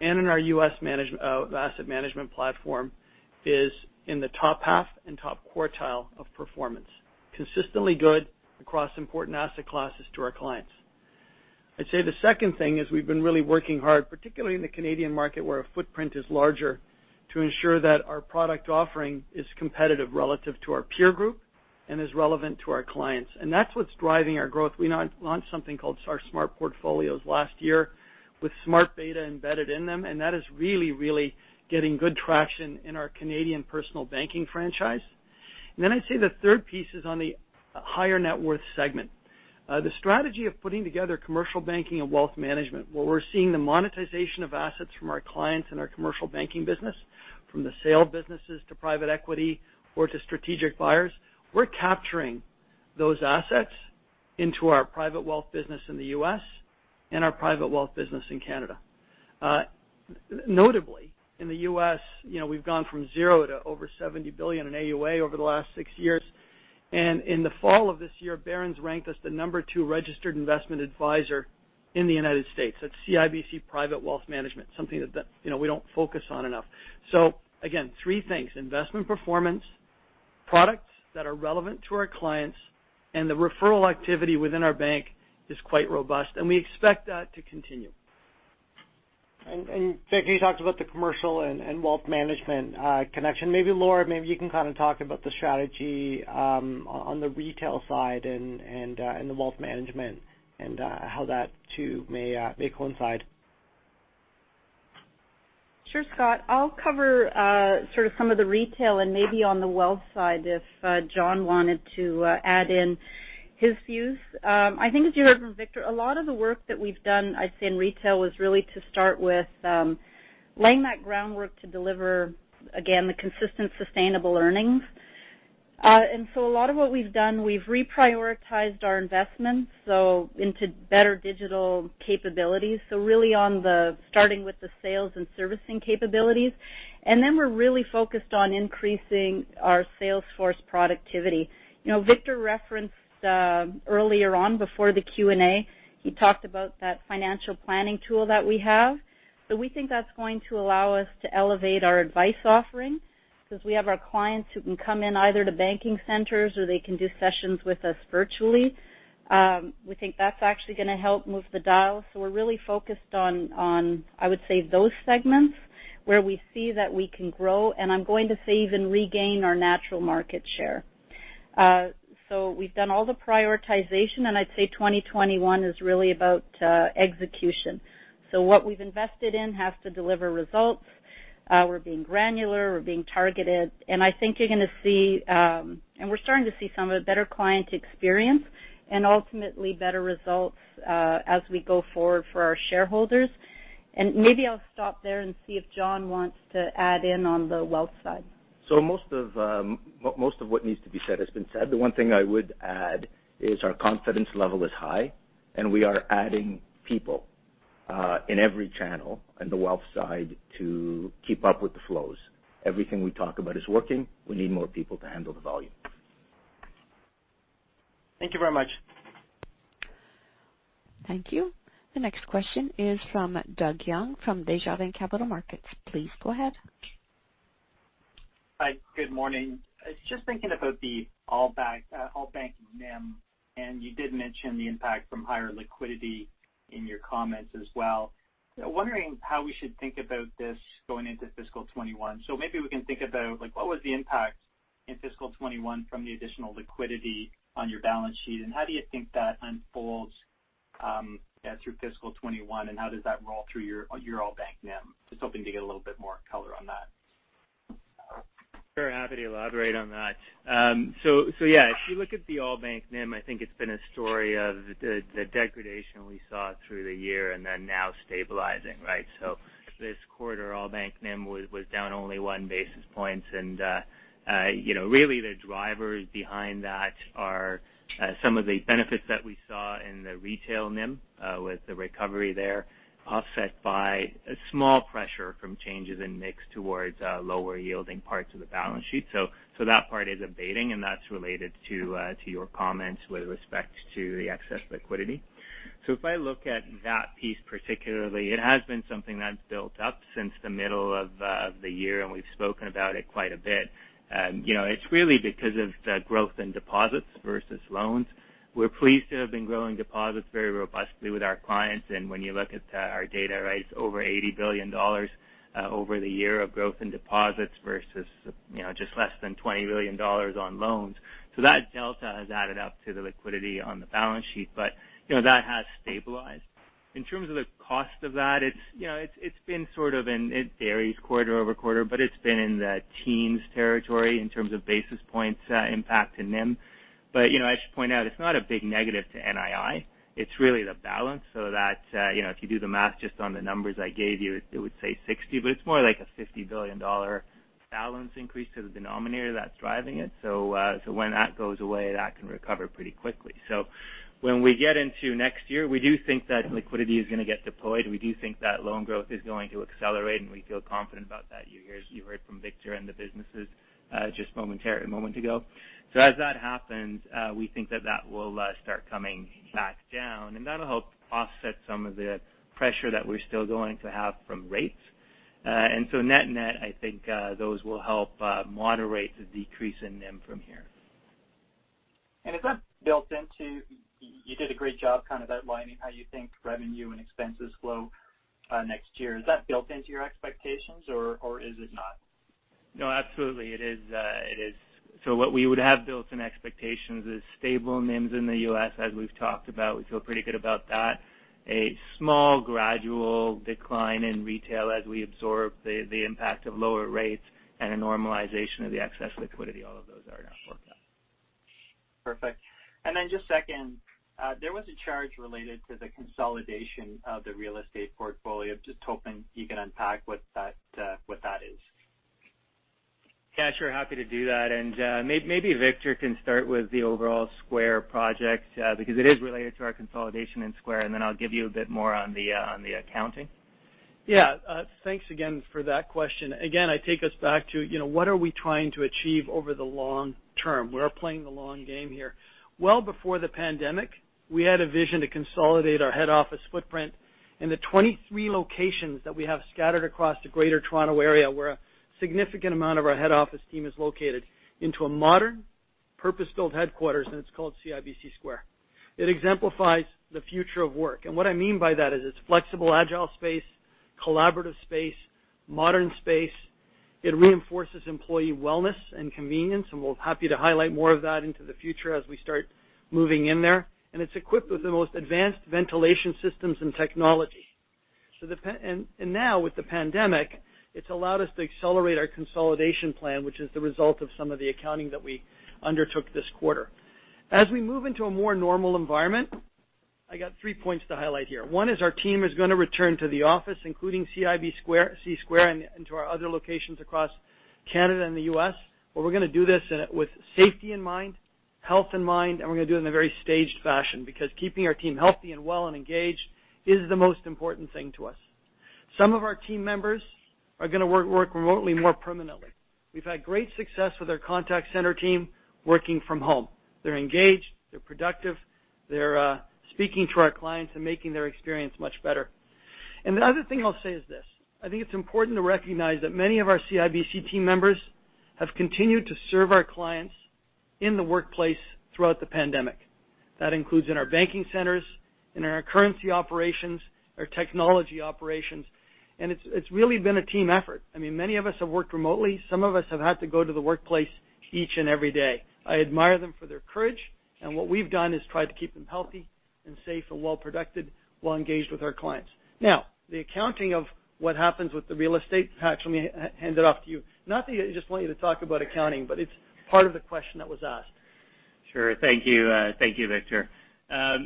and in our U.S. asset management platform is in the top half and top quartile of performance, consistently good across important asset classes to our clients. I'd say the second thing is we've been really working hard, particularly in the Canadian market where our footprint is larger, to ensure that our product offering is competitive relative to our peer group and is relevant to our clients. That's what's driving our growth. We launched something called our Smart Portfolios last year with smart beta embedded in them, and that is really, really getting good traction in our Canadian personal banking franchise. I would say the third piece is on the higher net worth segment. The strategy of putting together Commercial Banking and Wealth Management, where we are seeing the monetization of assets from our clients in our Commercial Banking business, from the sale of businesses to private equity or to strategic buyers, we are capturing those assets into our private wealth business in the U.S. and our private wealth business in Canada. Notably, in the U.S., we have gone from zero to over $70 billion in AUA over the last six years. In the fall of this year, Barron's ranked us the number two registered investment advisor in the United States at CIBC Private Wealth Management, something that we do not focus on enough. Three things: investment performance, products that are relevant to our clients, and the referral activity within our bank is quite robust. We expect that to continue. Victor, you talked about the commercial and wealth management connection. Maybe Laura, maybe you can kind of talk about the strategy on the retail side and the wealth management and how that too may coincide. Sure, Scott. I'll cover sort of some of the retail and maybe on the wealth side if John wanted to add in his views. I think as you heard from Victor, a lot of the work that we've done, I'd say in retail, was really to start with laying that groundwork to deliver, again, the consistent sustainable earnings. A lot of what we've done, we've reprioritized our investments into better digital capabilities. Really starting with the sales and servicing capabilities. We're really focused on increasing our Salesforce productivity. Victor referenced earlier on, before the Q&A, he talked about that financial planning tool that we have. We think that's going to allow us to elevate our advice offering because we have our clients who can come in either to banking centers or they can do sessions with us virtually. We think that's actually going to help move the dial. We are really focused on, I would say, those segments where we see that we can grow and I'm going to say even regain our natural market share. We have done all the prioritization, and I would say 2021 is really about execution. What we have invested in has to deliver results. We are being granular. We are being targeted. I think you are going to see, and we are starting to see some of it, better client experience and ultimately better results as we go forward for our shareholders. Maybe I will stop there and see if Jon wants to add in on the wealth side. Most of what needs to be said has been said. The one thing I would add is our confidence level is high, and we are adding people in every channel on the wealth side to keep up with the flows. Everything we talk about is working. We need more people to handle the volume. Thank you very much. Thank you. The next question is from Doug Young from Desjardins Capital Markets. Please go ahead. Hi, good morning. Just thinking about the all-bank NIM, and you did mention the impact from higher liquidity in your comments as well. Wondering how we should think about this going into fiscal 2021. Maybe we can think about what was the impact in fiscal 2021 from the additional liquidity on your balance sheet, and how do you think that unfolds through fiscal 2021, and how does that roll through your all bank NIM? Just hoping to get a little bit more color on that. Very happy to elaborate on that. Yeah, if you look at the all bank NIM, I think it's been a story of the degradation we saw through the year and now stabilizing, right? This quarter, all bank NIM was down only one basis point. Really, the drivers behind that are some of the benefits that we saw in the retail NIM with the recovery there, offset by small pressure from changes in mix towards lower yielding parts of the balance sheet. That part is abating, and that's related to your comments with respect to the excess liquidity. If I look at that piece particularly, it has been something that's built up since the middle of the year, and we've spoken about it quite a bit. It's really because of the growth in deposits versus loans. We're pleased to have been growing deposits very robustly with our clients. When you look at our data, right, it's over 80 billion dollars over the year of growth in deposits versus just less than 20 billion dollars on loans. That delta has added up to the liquidity on the balance sheet, but that has stabilized. In terms of the cost of that, it's been sort of—it varies quarter over quarter—but it's been in the teens territory in terms of basis points impact in NIM. I should point out, it's not a big negative to NII. It's really the balance. If you do the math just on the numbers I gave you, it would say 60 billion, but it's more like a 50 billion dollar balance increase to the denominator that's driving it. When that goes away, that can recover pretty quickly. When we get into next year, we do think that liquidity is going to get deployed. We do think that loan growth is going to accelerate, and we feel confident about that. You heard from Victor and the businesses just momentarily, a moment ago. As that happens, we think that that will start coming back down, and that'll help offset some of the pressure that we're still going to have from rates. Net-net, I think those will help moderate the decrease in NIM from here. Is that built into—you did a great job kind of outlining how you think revenue and expenses flow next year. Is that built into your expectations, or is it not? No, absolutely. It is. What we would have built in expectations is stable NIMs in the U.S., as we've talked about. We feel pretty good about that. A small gradual decline in retail as we absorb the impact of lower rates and a normalization of the excess liquidity, all of those are in our forecast. Perfect. Just second, there was a charge related to the consolidation of the real estate portfolio. Just hoping you can unpack what that is. Yeah, sure. Happy to do that. Maybe Victor can start with the overall Square project because it is related to our consolidation in Square, and then I'll give you a bit more on the accounting. Yeah. Thanks again for that question. Again, I take us back to what are we trying to achieve over the long term? We're playing the long game here. Before the pandemic, we had a vision to consolidate our head office footprint in the 23 locations that we have scattered across the greater Toronto area where a significant amount of our head office team is located into a modern, purpose-built headquarters, and it's called CIBC Square. It exemplifies the future of work. What I mean by that is it's flexible, agile space, collaborative space, modern space. It reinforces employee wellness and convenience, and we're happy to highlight more of that into the future as we start moving in there. It's equipped with the most advanced ventilation systems and technology. Now, with the pandemic, it's allowed us to accelerate our consolidation plan, which is the result of some of the accounting that we undertook this quarter. As we move into a more normal environment, I got three points to highlight here. One is our team is going to return to the office, including CIBC Square and into our other locations across Canada and the U.S., where we're going to do this with safety in mind, health in mind, and we're going to do it in a very staged fashion because keeping our team healthy and well and engaged is the most important thing to us. Some of our team members are going to work remotely more permanently. We've had great success with our contact center team working from home. They're engaged. They're productive. They're speaking to our clients and making their experience much better. The other thing I'll say is this: I think it's important to recognize that many of our CIBC team members have continued to serve our clients in the workplace throughout the pandemic. That includes in our banking centers, in our currency operations, our technology operations. It's really been a team effort. I mean, many of us have worked remotely. Some of us have had to go to the workplace each and every day. I admire them for their courage. What we've done is tried to keep them healthy and safe and well-productive while engaged with our clients. Now, the accounting of what happens with the real estate, perhaps let me hand it off to you. Not that I just want you to talk about accounting, but it's part of the question that was asked. Sure. Thank you. Thank you, Victor. Yeah.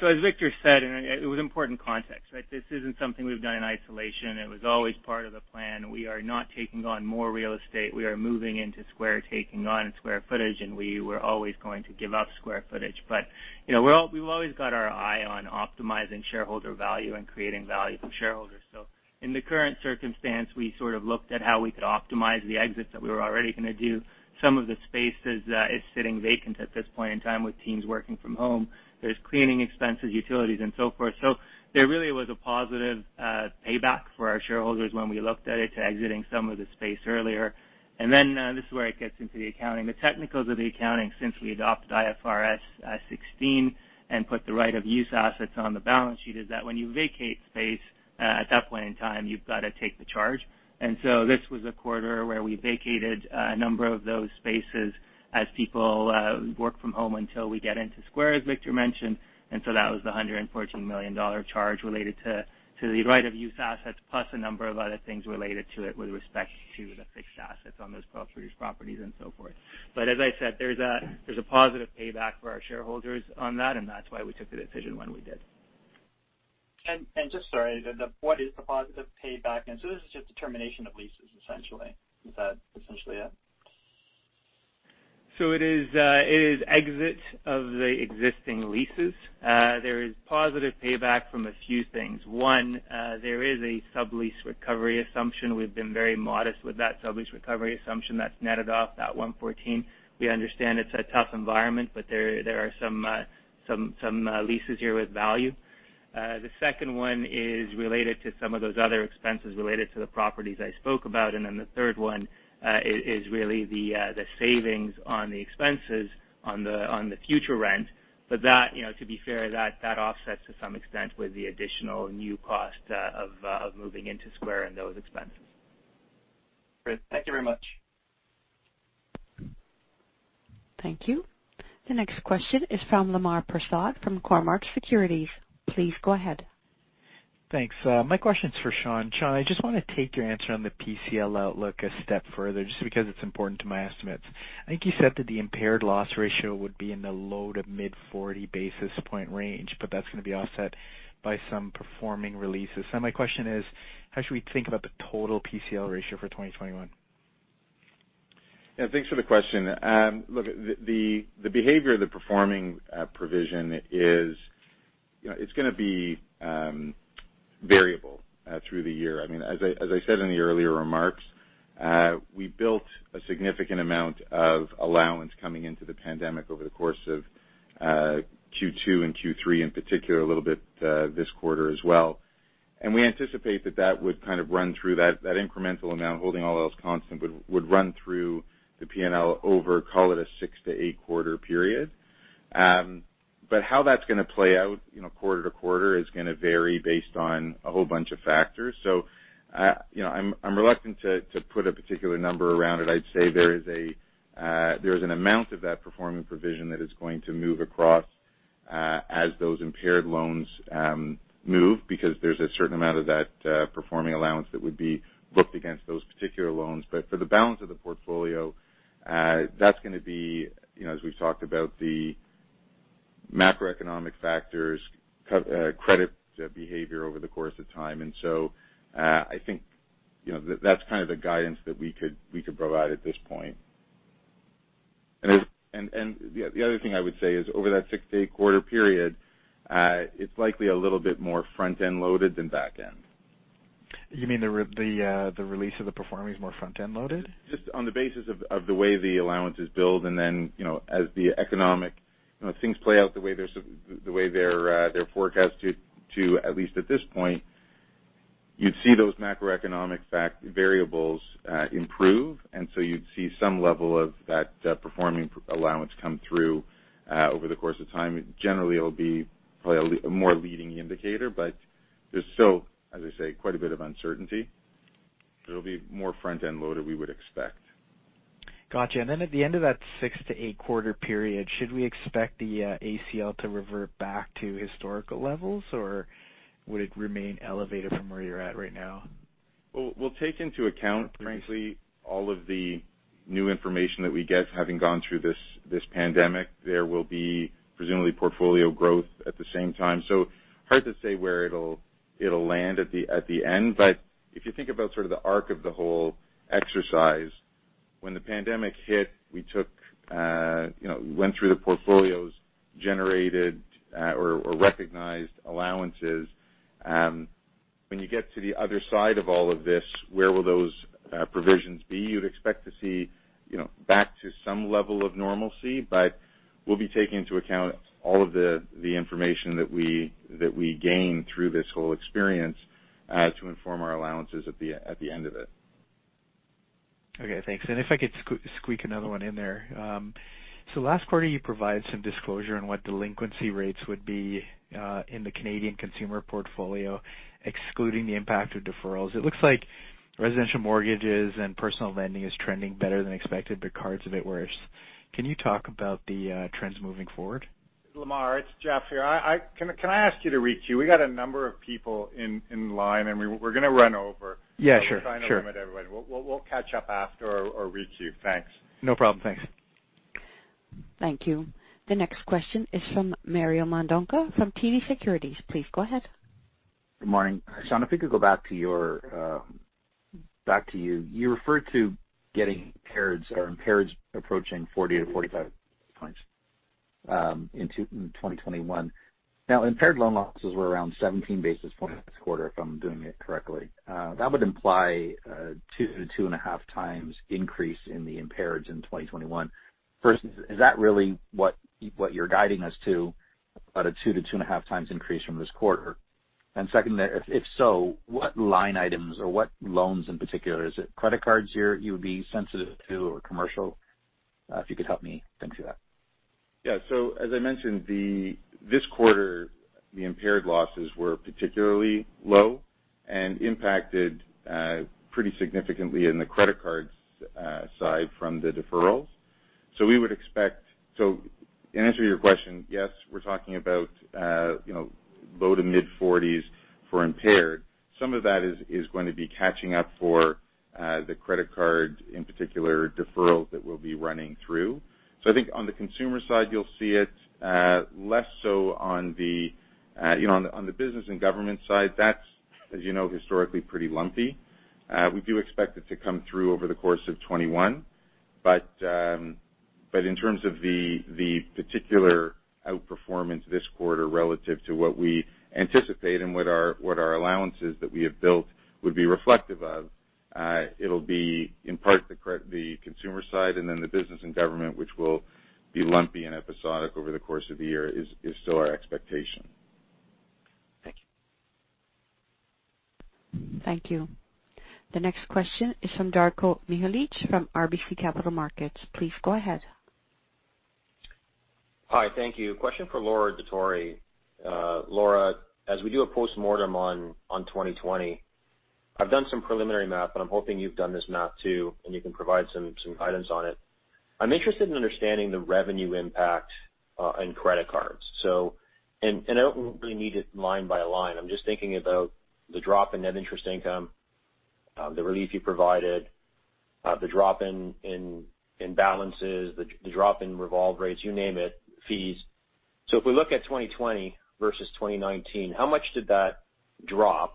As Victor said, and it was important context, right? This isn't something we've done in isolation. It was always part of the plan. We are not taking on more real estate. We are moving into Square, taking on Square footage, and we were always going to give up Square footage. We've always got our eye on optimizing shareholder value and creating value for shareholders. In the current circumstance, we sort of looked at how we could optimize the exits that we were already going to do. Some of the space is sitting vacant at this point in time with teams working from home. There are cleaning expenses, utilities, and so forth. There really was a positive payback for our shareholders when we looked at it to exiting some of the space earlier. This is where it gets into the accounting. The technicals of the accounting, since we adopted IFRS 16 and put the right-of-use assets on the balance sheet, is that when you vacate space at that point in time, you have to take the charge. This was a quarter where we vacated a number of those spaces as people work from home until we get into CIBC Square, as Victor mentioned. That was the 114 million dollar charge related to the right-of-use assets plus a number of other things related to it with respect to the fixed assets on those properties, and so forth. As I said, there is a positive payback for our shareholders on that, and that is why we took the decision when we did. Sorry, what is the positive payback? Is this just the termination of leases, essentially? Is that essentially it? It is exit of the existing leases. There is positive payback from a few things. One, there is a sublease recovery assumption. We've been very modest with that sublease recovery assumption. That's netted off that 114. We understand it's a tough environment, but there are some leases here with value. The second one is related to some of those other expenses related to the properties I spoke about. The third one is really the savings on the expenses on the future rent. To be fair, that offsets to some extent with the additional new cost of moving into CIBC Square and those expenses. Great. Thank you very much. Thank you. The next question is from Lemar Persaud from Cormark Securities. Please go ahead. Thanks. My question's for Shawn. Shawn, I just want to take your answer on the PCL outlook a step further just because it's important to my estimates. I think you said that the impaired loss ratio would be in the low to mid-40 basis point range, but that's going to be offset by some performing releases. My question is, how should we think about the total PCL ratio for 2021? Yeah. Thanks for the question. Look, the behavior of the performing provision is it's going to be variable through the year. I mean, as I said in the earlier remarks, we built a significant amount of allowance coming into the pandemic over the course of Q2 and Q3 in particular, a little bit this quarter as well. I mean, we anticipate that that would kind of run through that incremental amount, holding all else constant, would run through the P&L over, call it a six- to eight-quarter period. How that's going to play out quarter to quarter is going to vary based on a whole bunch of factors. I am reluctant to put a particular number around it. I'd say there is an amount of that performing provision that is going to move across as those impaired loans move because there's a certain amount of that performing allowance that would be booked against those particular loans. For the balance of the portfolio, that's going to be, as we've talked about, the macroeconomic factors, credit behavior over the course of time. I think that's kind of the guidance that we could provide at this point. The other thing I would say is over that six- to eight-quarter period, it's likely a little bit more front-end loaded than back-end. You mean the release of the performing is more front-end loaded? Just on the basis of the way the allowances build, and then as the economic things play out the way they're forecast to, at least at this point, you'd see those macroeconomic variables improve, and so you'd see some level of that performing allowance come through over the course of time. Generally, it'll be probably a more leading indicator, but there's still, as I say, quite a bit of uncertainty. It'll be more front-end loaded we would expect. Gotcha. At the end of that six to eight-quarter period, should we expect the ACL to revert back to historical levels, or would it remain elevated from where you're at right now? We will take into account, frankly, all of the new information that we get having gone through this pandemic. There will be presumably portfolio growth at the same time. Hard to say where it will land at the end, but if you think about sort of the arc of the whole exercise, when the pandemic hit, we went through the portfolios, generated or recognized allowances. When you get to the other side of all of this, where will those provisions be? You would expect to see back to some level of normalcy, but we will be taking into account all of the information that we gain through this whole experience to inform our allowances at the end of it. Okay. Thanks. If I could squeak another one in there. Last quarter, you provided some disclosure on what delinquency rates would be in the Canadian consumer portfolio, excluding the impact of deferrals. It looks like residential mortgages and personal lending is trending better than expected, but cards a bit worse. Can you talk about the trends moving forward? Lamar, it's Geoff here. Can I ask you to reach your question? We got a number of people in line, and we're going to run over. Yeah, sure. Trying to limit everybody. We'll catch up after or reach you. Thanks. No problem. Thanks. Thank you. The next question is from Mario Mendonca from TD Securities. Please go ahead. Good morning. Sean, if we could go back to you, you referred to getting impaired or impaired approaching 40-45 basis points in 2021. Now, impaired loan losses were around 17 basis points this quarter, if I'm doing it correctly. That would imply a two to two and a half times increase in the impaireds in 2021. First, is that really what you're guiding us to, about a two to two and a half times increase from this quarter? If so, what line items or what loans in particular? Is it credit cards you would be sensitive to or commercial? If you could help me think through that. Yeah. As I mentioned, this quarter, the impaired losses were particularly low and impacted pretty significantly in the credit cards side from the deferrals. We would expect, to answer your question, yes, we're talking about low to mid-40s for impaired. Some of that is going to be catching up for the credit card, in particular, deferrals that we'll be running through. I think on the consumer side, you'll see it less so on the business and government side. That's, as you know, historically pretty lumpy. We do expect it to come through over the course of 2021. In terms of the particular outperformance this quarter relative to what we anticipate and what our allowances that we have built would be reflective of, it'll be in part the consumer side and then the business and government, which will be lumpy and episodic over the course of the year, is still our expectation. Thank you. Thank you. The next question is from Darko Mihelic from RBC Capital Markets. Please go ahead. Hi. Thank you. Question for Laura Dottori-Attanasio. Laura, as we do a post-mortem on 2020, I've done some preliminary math, but I'm hoping you've done this math too, and you can provide some guidance on it. I'm interested in understanding the revenue impact on credit cards. I don't really need it line by line. I'm just thinking about the drop in net interest income, the relief you provided, the drop in balances, the drop in revolve rates, you name it, fees. If we look at 2020 versus 2019, how much did that drop?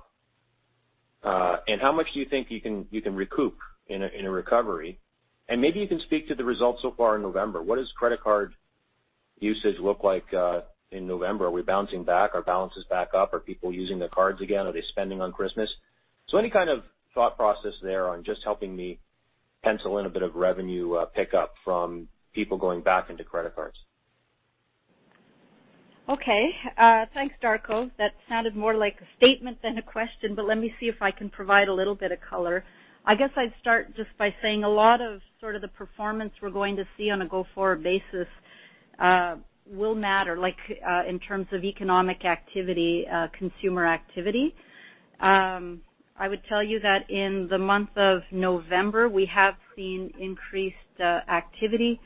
How much do you think you can recoup in a recovery? Maybe you can speak to the results so far in November. What does credit card usage look like in November? Are we bouncing back? Are balances back up? Are people using the cards again? Are they spending on Christmas? Any kind of thought process there on just helping me pencil in a bit of revenue pickup from people going back into credit cards? Okay. Thanks, Darko. That sounded more like a statement than a question, but let me see if I can provide a little bit of color. I guess I'd start just by saying a lot of sort of the performance we're going to see on a go-forward basis will matter in terms of economic activity, consumer activity. I would tell you that in the month of November, we have seen increased activity.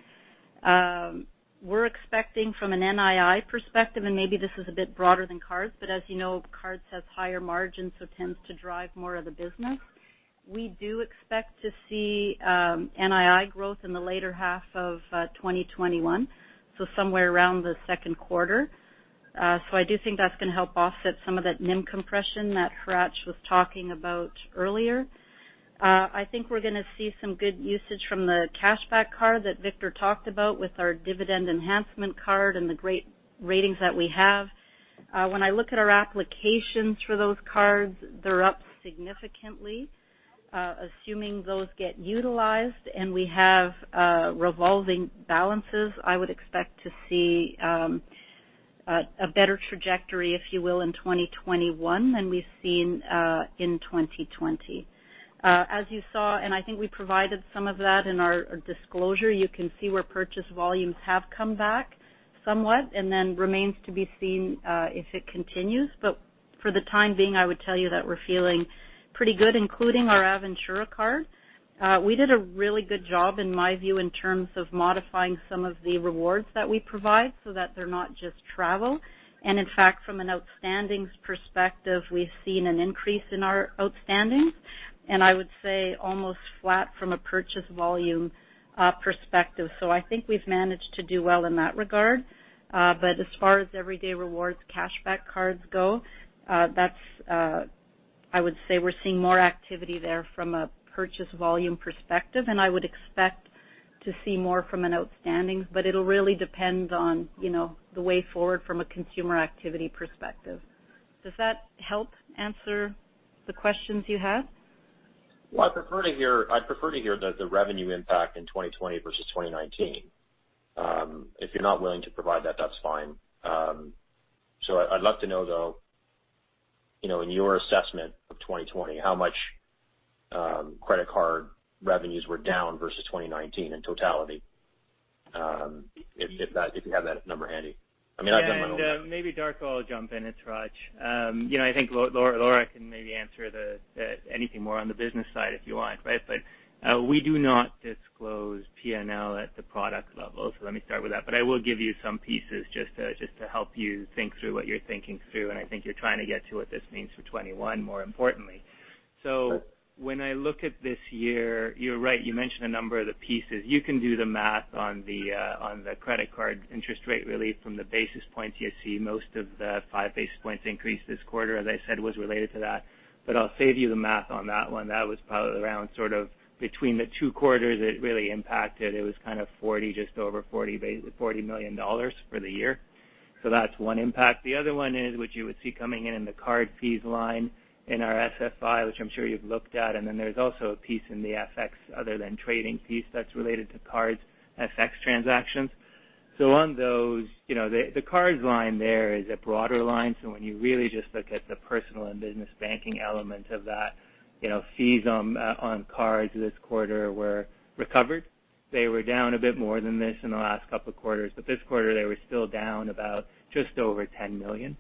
We're expecting from an NII perspective, and maybe this is a bit broader than cards, but as you know, cards have higher margins so tends to drive more of the business. We do expect to see NII growth in the later half of 2021, somewhere around the second quarter. I do think that's going to help offset some of that NIM compression that Hratch was talking about earlier. I think we're going to see some good usage from the cashback card that Victor talked about with our dividend enhancement card and the great ratings that we have. When I look at our applications for those cards, they're up significantly. Assuming those get utilized and we have revolving balances, I would expect to see a better trajectory, if you will, in 2021 than we've seen in 2020. As you saw, and I think we provided some of that in our disclosure, you can see where purchase volumes have come back somewhat, and it remains to be seen if it continues. For the time being, I would tell you that we're feeling pretty good, including our Aventura card. We did a really good job, in my view, in terms of modifying some of the rewards that we provide so that they're not just travel. From an outstandings perspective, we've seen an increase in our outstandings, and I would say almost flat from a purchase volume perspective. I think we've managed to do well in that regard. As far as everyday rewards, cashback cards go, I would say we're seeing more activity there from a purchase volume perspective, and I would expect to see more from an outstandings, but it'll really depend on the way forward from a consumer activity perspective. Does that help answer the questions you had? I prefer to hear the revenue impact in 2020 versus 2019. If you're not willing to provide that, that's fine. I'd love to know, though, in your assessment of 2020, how much credit card revenues were down versus 2019 in totality, if you have that number handy. I mean, I've done my own work. Maybe Darko will jump in at Hratch. I think Laura can maybe answer anything more on the business side if you want, right? We do not disclose P&L at the product level, so let me start with that. I will give you some pieces just to help you think through what you're thinking through, and I think you're trying to get to what this means for 2021, more importantly. When I look at this year, you're right. You mentioned a number of the pieces. You can do the math on the credit card interest rate relief from the basis points you see. Most of the five basis points increase this quarter, as I said, was related to that. I'll save you the math on that one. That was probably around sort of between the two quarters, it really impacted. It was kind of 40, just over 40 million dollars for the year. That is one impact. The other one is what you would see coming in in the card fees line in our SFI, which I am sure you have looked at. There is also a piece in the FX, other than trading fees, that is related to cards, FX transactions. On those, the cards line there is a broader line. When you really just look at the personal and business banking element of that, fees on cards this quarter were recovered. They were down a bit more than this in the last couple of quarters. This quarter, they were still down about just over 10 million.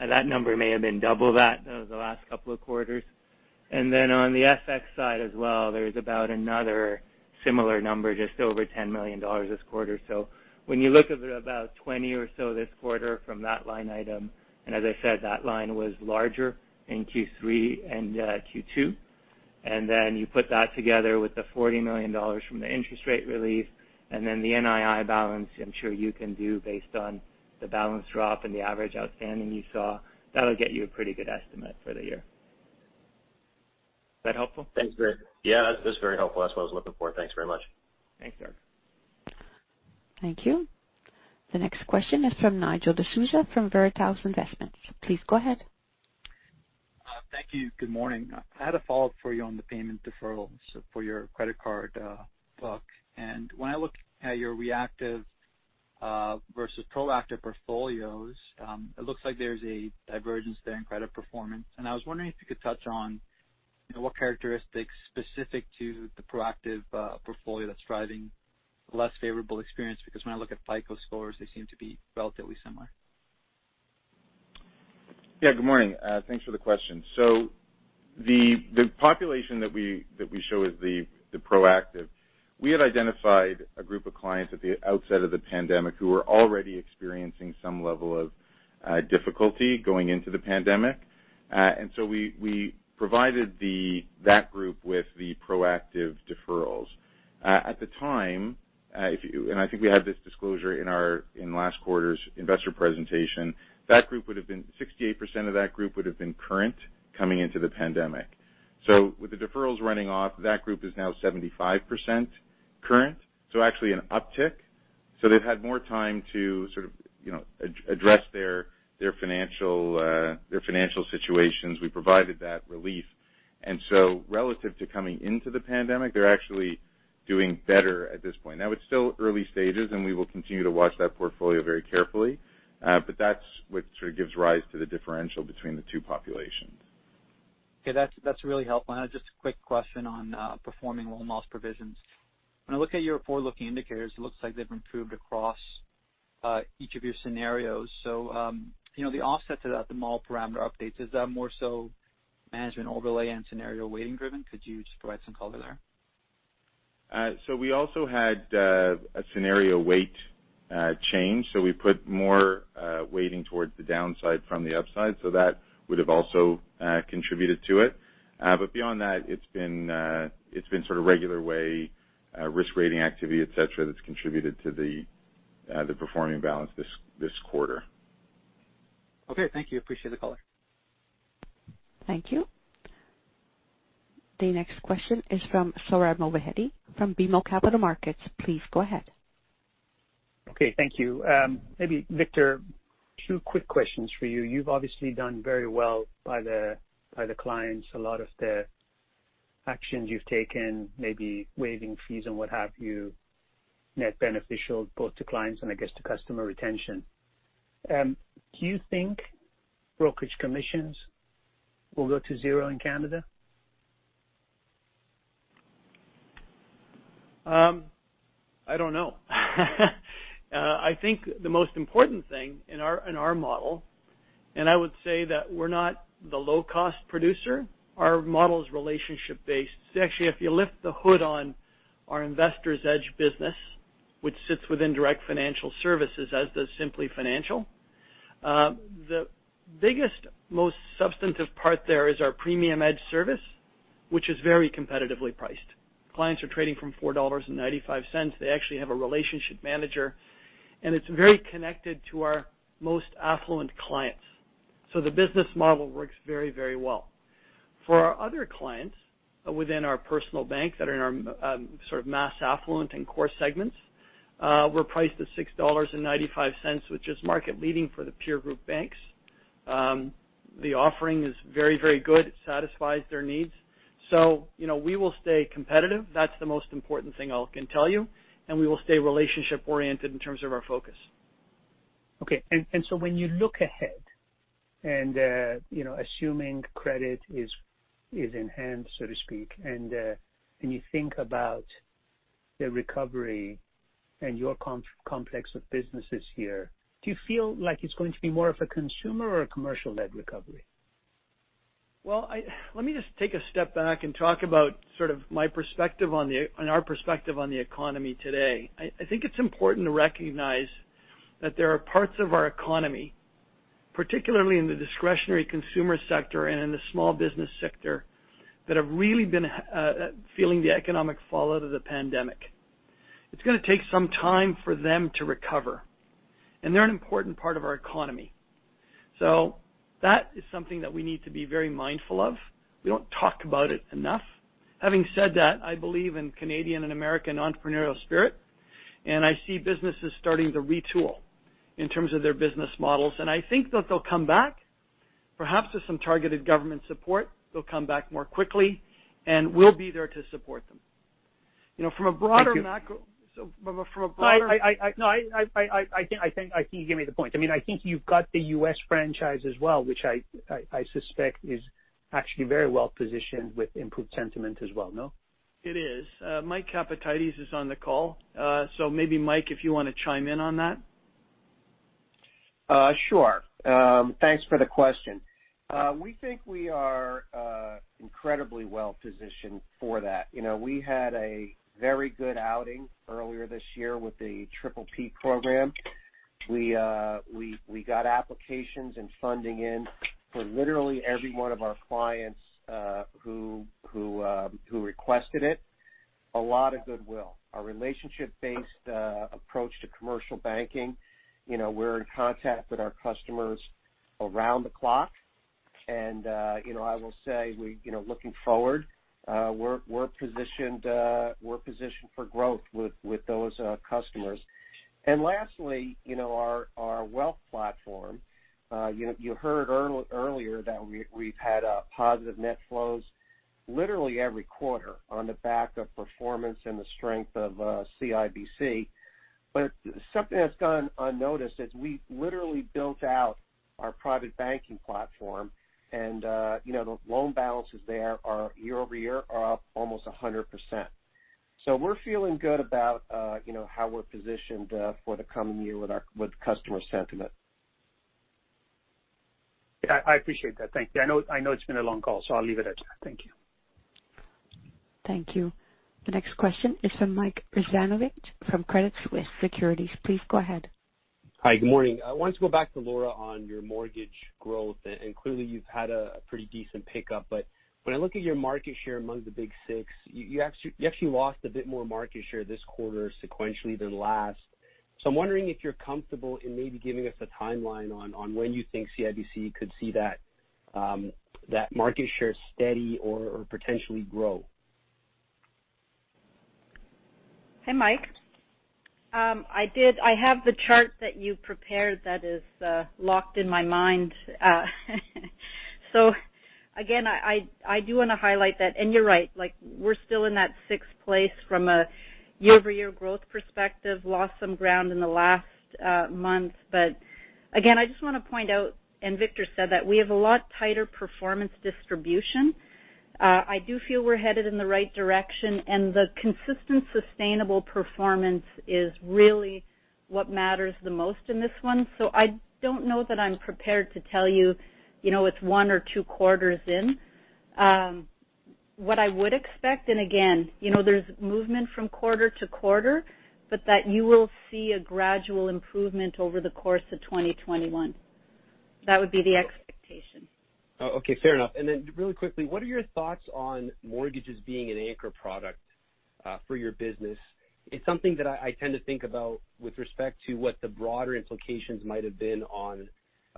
That number may have been double that over the last couple of quarters. On the FX side as well, there's about another similar number, just over 10 million dollars this quarter. When you look at about 20 million or so this quarter from that line item, and as I said, that line was larger in Q3 and Q2. You put that together with the 40 million dollars from the interest rate relief, and then the NII balance, I'm sure you can do based on the balance drop and the average outstanding you saw, that'll get you a pretty good estimate for the year. Is that helpful? Thanks, Hratch. Yeah, that's very helpful. That's what I was looking for. Thanks very much. Thanks, Darko. Thank you. The next question is from Nigel D'Souza from Veritas Investment. Please go ahead. Thank you. Good morning. I had a follow-up for you on the payment deferral for your credit card book. When I look at your reactive versus proactive portfolios, it looks like there is a divergence there in credit performance. I was wondering if you could touch on what characteristics specific to the proactive portfolio are driving a less favorable experience because when I look at FICO scores, they seem to be relatively similar. Yeah. Good morning. Thanks for the question. The population that we show is the proactive. We had identified a group of clients at the outset of the pandemic who were already experiencing some level of difficulty going into the pandemic. We provided that group with the proactive deferrals. At the time, and I think we had this disclosure in our last quarter's investor presentation, 68% of that group would have been current coming into the pandemic. With the deferrals running off, that group is now 75% current, so actually an uptick. They have had more time to sort of address their financial situations. We provided that relief. Relative to coming into the pandemic, they are actually doing better at this point. It is still early stages, and we will continue to watch that portfolio very carefully. That's what sort of gives rise to the differential between the two populations. Okay. That's really helpful. Just a quick question on performing loan loss provisions. When I look at your forward-looking indicators, it looks like they've improved across each of your scenarios. The offset to that, the model parameter updates, is that more so management overlay and scenario weighting driven? Could you just provide some color there? We also had a scenario weight change. We put more weighting towards the downside from the upside. That would have also contributed to it. Beyond that, it's been sort of regular way risk rating activity, etc., that's contributed to the performing balance this quarter. Okay. Thank you. Appreciate the caller. Thank you. The next question is from Sohrab Movahedi from BMO Capital Markets. Please go ahead. Okay. Thank you. Maybe, Victor, two quick questions for you. You've obviously done very well by the clients. A lot of the actions you've taken, maybe waiving fees and what have you, net beneficial both to clients and, I guess, to customer retention. Do you think brokerage commissions will go to zero in Canada? I don't know. I think the most important thing in our model, and I would say that we're not the low-cost producer, our model is relationship-based. Actually, if you lift the hood on our Investors Edge business, which sits within Direct Financial Services as does Simplii Financial, the biggest, most substantive part there is our Premium Edge service, which is very competitively priced. Clients are trading from 4.95 dollars. They actually have a relationship manager, and it's very connected to our most affluent clients. The business model works very, very well. For our other clients within our personal bank that are in our sort of mass affluent and core segments, we're priced at 6.95 dollars, which is market-leading for the peer group banks. The offering is very, very good. It satisfies their needs. We will stay competitive. That's the most important thing I can tell you. We will stay relationship-oriented in terms of our focus. Okay. When you look ahead and assuming credit is in hand, so to speak, and you think about the recovery and your complex of businesses here, do you feel like it's going to be more of a consumer or a commercial-led recovery? Let me just take a step back and talk about sort of my perspective on our perspective on the economy today. I think it's important to recognize that there are parts of our economy, particularly in the discretionary consumer sector and in the small business sector, that have really been feeling the economic fallout of the pandemic. It's going to take some time for them to recover. They are an important part of our economy. That is something that we need to be very mindful of. We don't talk about it enough. Having said that, I believe in Canadian and American entrepreneurial spirit, and I see businesses starting to retool in terms of their business models. I think that they'll come back, perhaps with some targeted government support. They'll come back more quickly, and we'll be there to support them. From a broader macro. Thank you. No, I think you gave me the point. I mean, I think you've got the U.S. franchise as well, which I suspect is actually very well positioned with improved sentiment as well, no? It is. Mike Capatides is on the call. So maybe, Mike, if you want to chime in on that. Sure. Thanks for the question. We think we are incredibly well positioned for that. We had a very good outing earlier this year with the PPP program. We got applications and funding in for literally every one of our clients who requested it. A lot of goodwill. Our relationship-based approach to Commercial Banking. We are in contact with our customers around the clock. I will say, looking forward, we are positioned for growth with those customers. Our wealth platform. You heard earlier that we have had positive net flows literally every quarter on the back of performance and the strength of CIBC. Something that has gone unnoticed is we literally built out our private banking platform, and the loan balances there year over year are up almost 100%. We are feeling good about how we are positioned for the coming year with customer sentiment. Yeah. I appreciate that. Thank you. I know it's been a long call, so I'll leave it at that. Thank you. Thank you. The next question is from Mike Rizvanovic from Credit Suisse Securities. Please go ahead. Hi. Good morning. I wanted to go back to Laura on your mortgage growth. Clearly, you've had a pretty decent pickup. When I look at your market share among the Big Six, you actually lost a bit more market share this quarter sequentially than last. I am wondering if you're comfortable in maybe giving us a timeline on when you think CIBC could see that market share steady or potentially grow. Hey, Mike. I have the chart that you prepared that is locked in my mind. I do want to highlight that. You're right. We're still in that sixth place from a year-over-year growth perspective, lost some ground in the last month. I just want to point out, and Victor said that we have a lot tighter performance distribution. I do feel we're headed in the right direction, and the consistent sustainable performance is really what matters the most in this one. I don't know that I'm prepared to tell you it's one or two quarters in. What I would expect, and again, there's movement from quarter to quarter, is that you will see a gradual improvement over the course of 2021. That would be the expectation. Okay. Fair enough. Really quickly, what are your thoughts on mortgages being an anchor product for your business? It's something that I tend to think about with respect to what the broader implications might have been on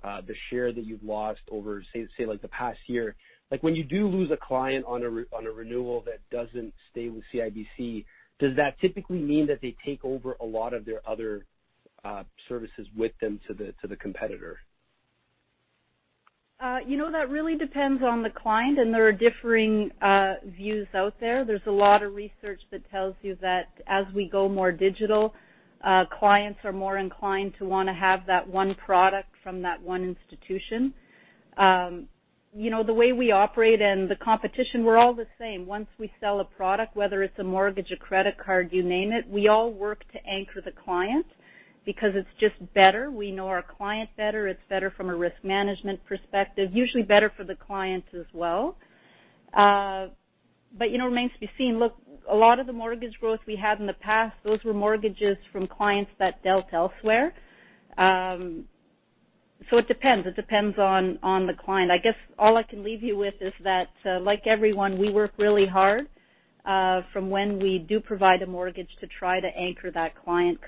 the share that you've lost over, say, the past year. When you do lose a client on a renewal that doesn't stay with CIBC, does that typically mean that they take over a lot of their other services with them to the competitor? That really depends on the client, and there are differing views out there. There is a lot of research that tells you that as we go more digital, clients are more inclined to want to have that one product from that one institution. The way we operate and the competition, we are all the same. Once we sell a product, whether it is a mortgage, a credit card, you name it, we all work to anchor the client because it is just better. We know our client better. It is better from a risk management perspective, usually better for the client as well. It remains to be seen. Look, a lot of the mortgage growth we had in the past, those were mortgages from clients that dealt elsewhere. It depends. It depends on the client. I guess all I can leave you with is that, like everyone, we work really hard from when we do provide a mortgage to try to anchor that client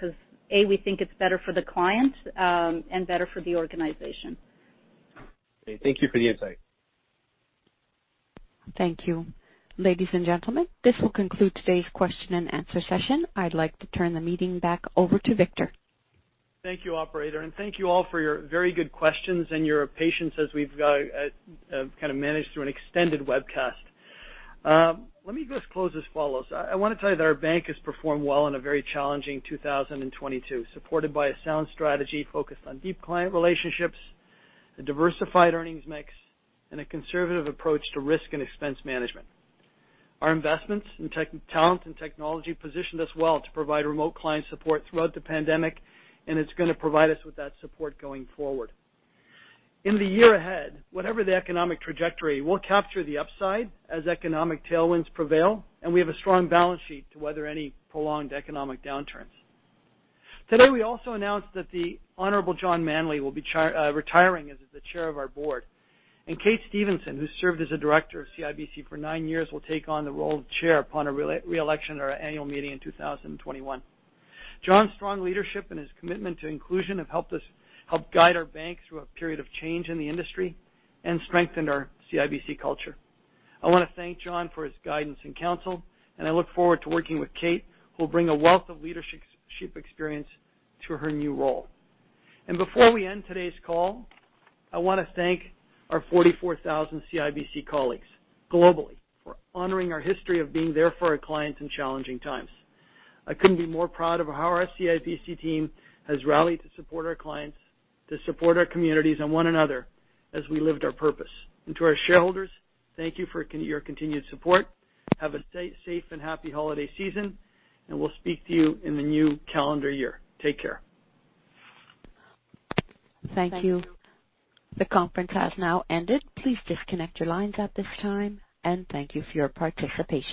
because, A, we think it's better for the client and better for the organization. Okay. Thank you for the insight. Thank you. Ladies and gentlemen, this will conclude today's question and answer session. I'd like to turn the meeting back over to Victor. Thank you, operator. Thank you all for your very good questions and your patience as we've kind of managed through an extended webcast. Let me just close as follows. I want to tell you that our bank has performed well in a very challenging 2022, supported by a sound strategy focused on deep client relationships, a diversified earnings mix, and a conservative approach to risk and expense management. Our investments in talent and technology positioned us well to provide remote client support throughout the pandemic, and it's going to provide us with that support going forward. In the year ahead, whatever the economic trajectory, we'll capture the upside as economic tailwinds prevail, and we have a strong balance sheet to weather any prolonged economic downturns. Today, we also announced that the Honorable John Manley will be retiring as the chair of our board. Kate Stevenson, who served as a Director of CIBC for nine years, will take on the role of chair upon a reelection at our Annual Meeting in 2021. Jon's strong leadership and his commitment to inclusion have helped us help guide our bank through a period of change in the industry and strengthened our CIBC culture. I want to thank John for his guidance and counsel, and I look forward to working with Kate, who will bring a wealth of leadership experience to her new role. Before we end today's call, I want to thank our 44,000 CIBC colleagues globally for honoring our history of being there for our clients in challenging times. I could not be more proud of how our CIBC team has rallied to support our clients, to support our communities and one another as we lived our purpose. To our shareholders, thank you for your continued support. Have a safe and happy holiday season, and we'll speak to you in the new calendar year. Take care. Thank you. The conference has now ended. Please disconnect your lines at this time, and thank you for your participation.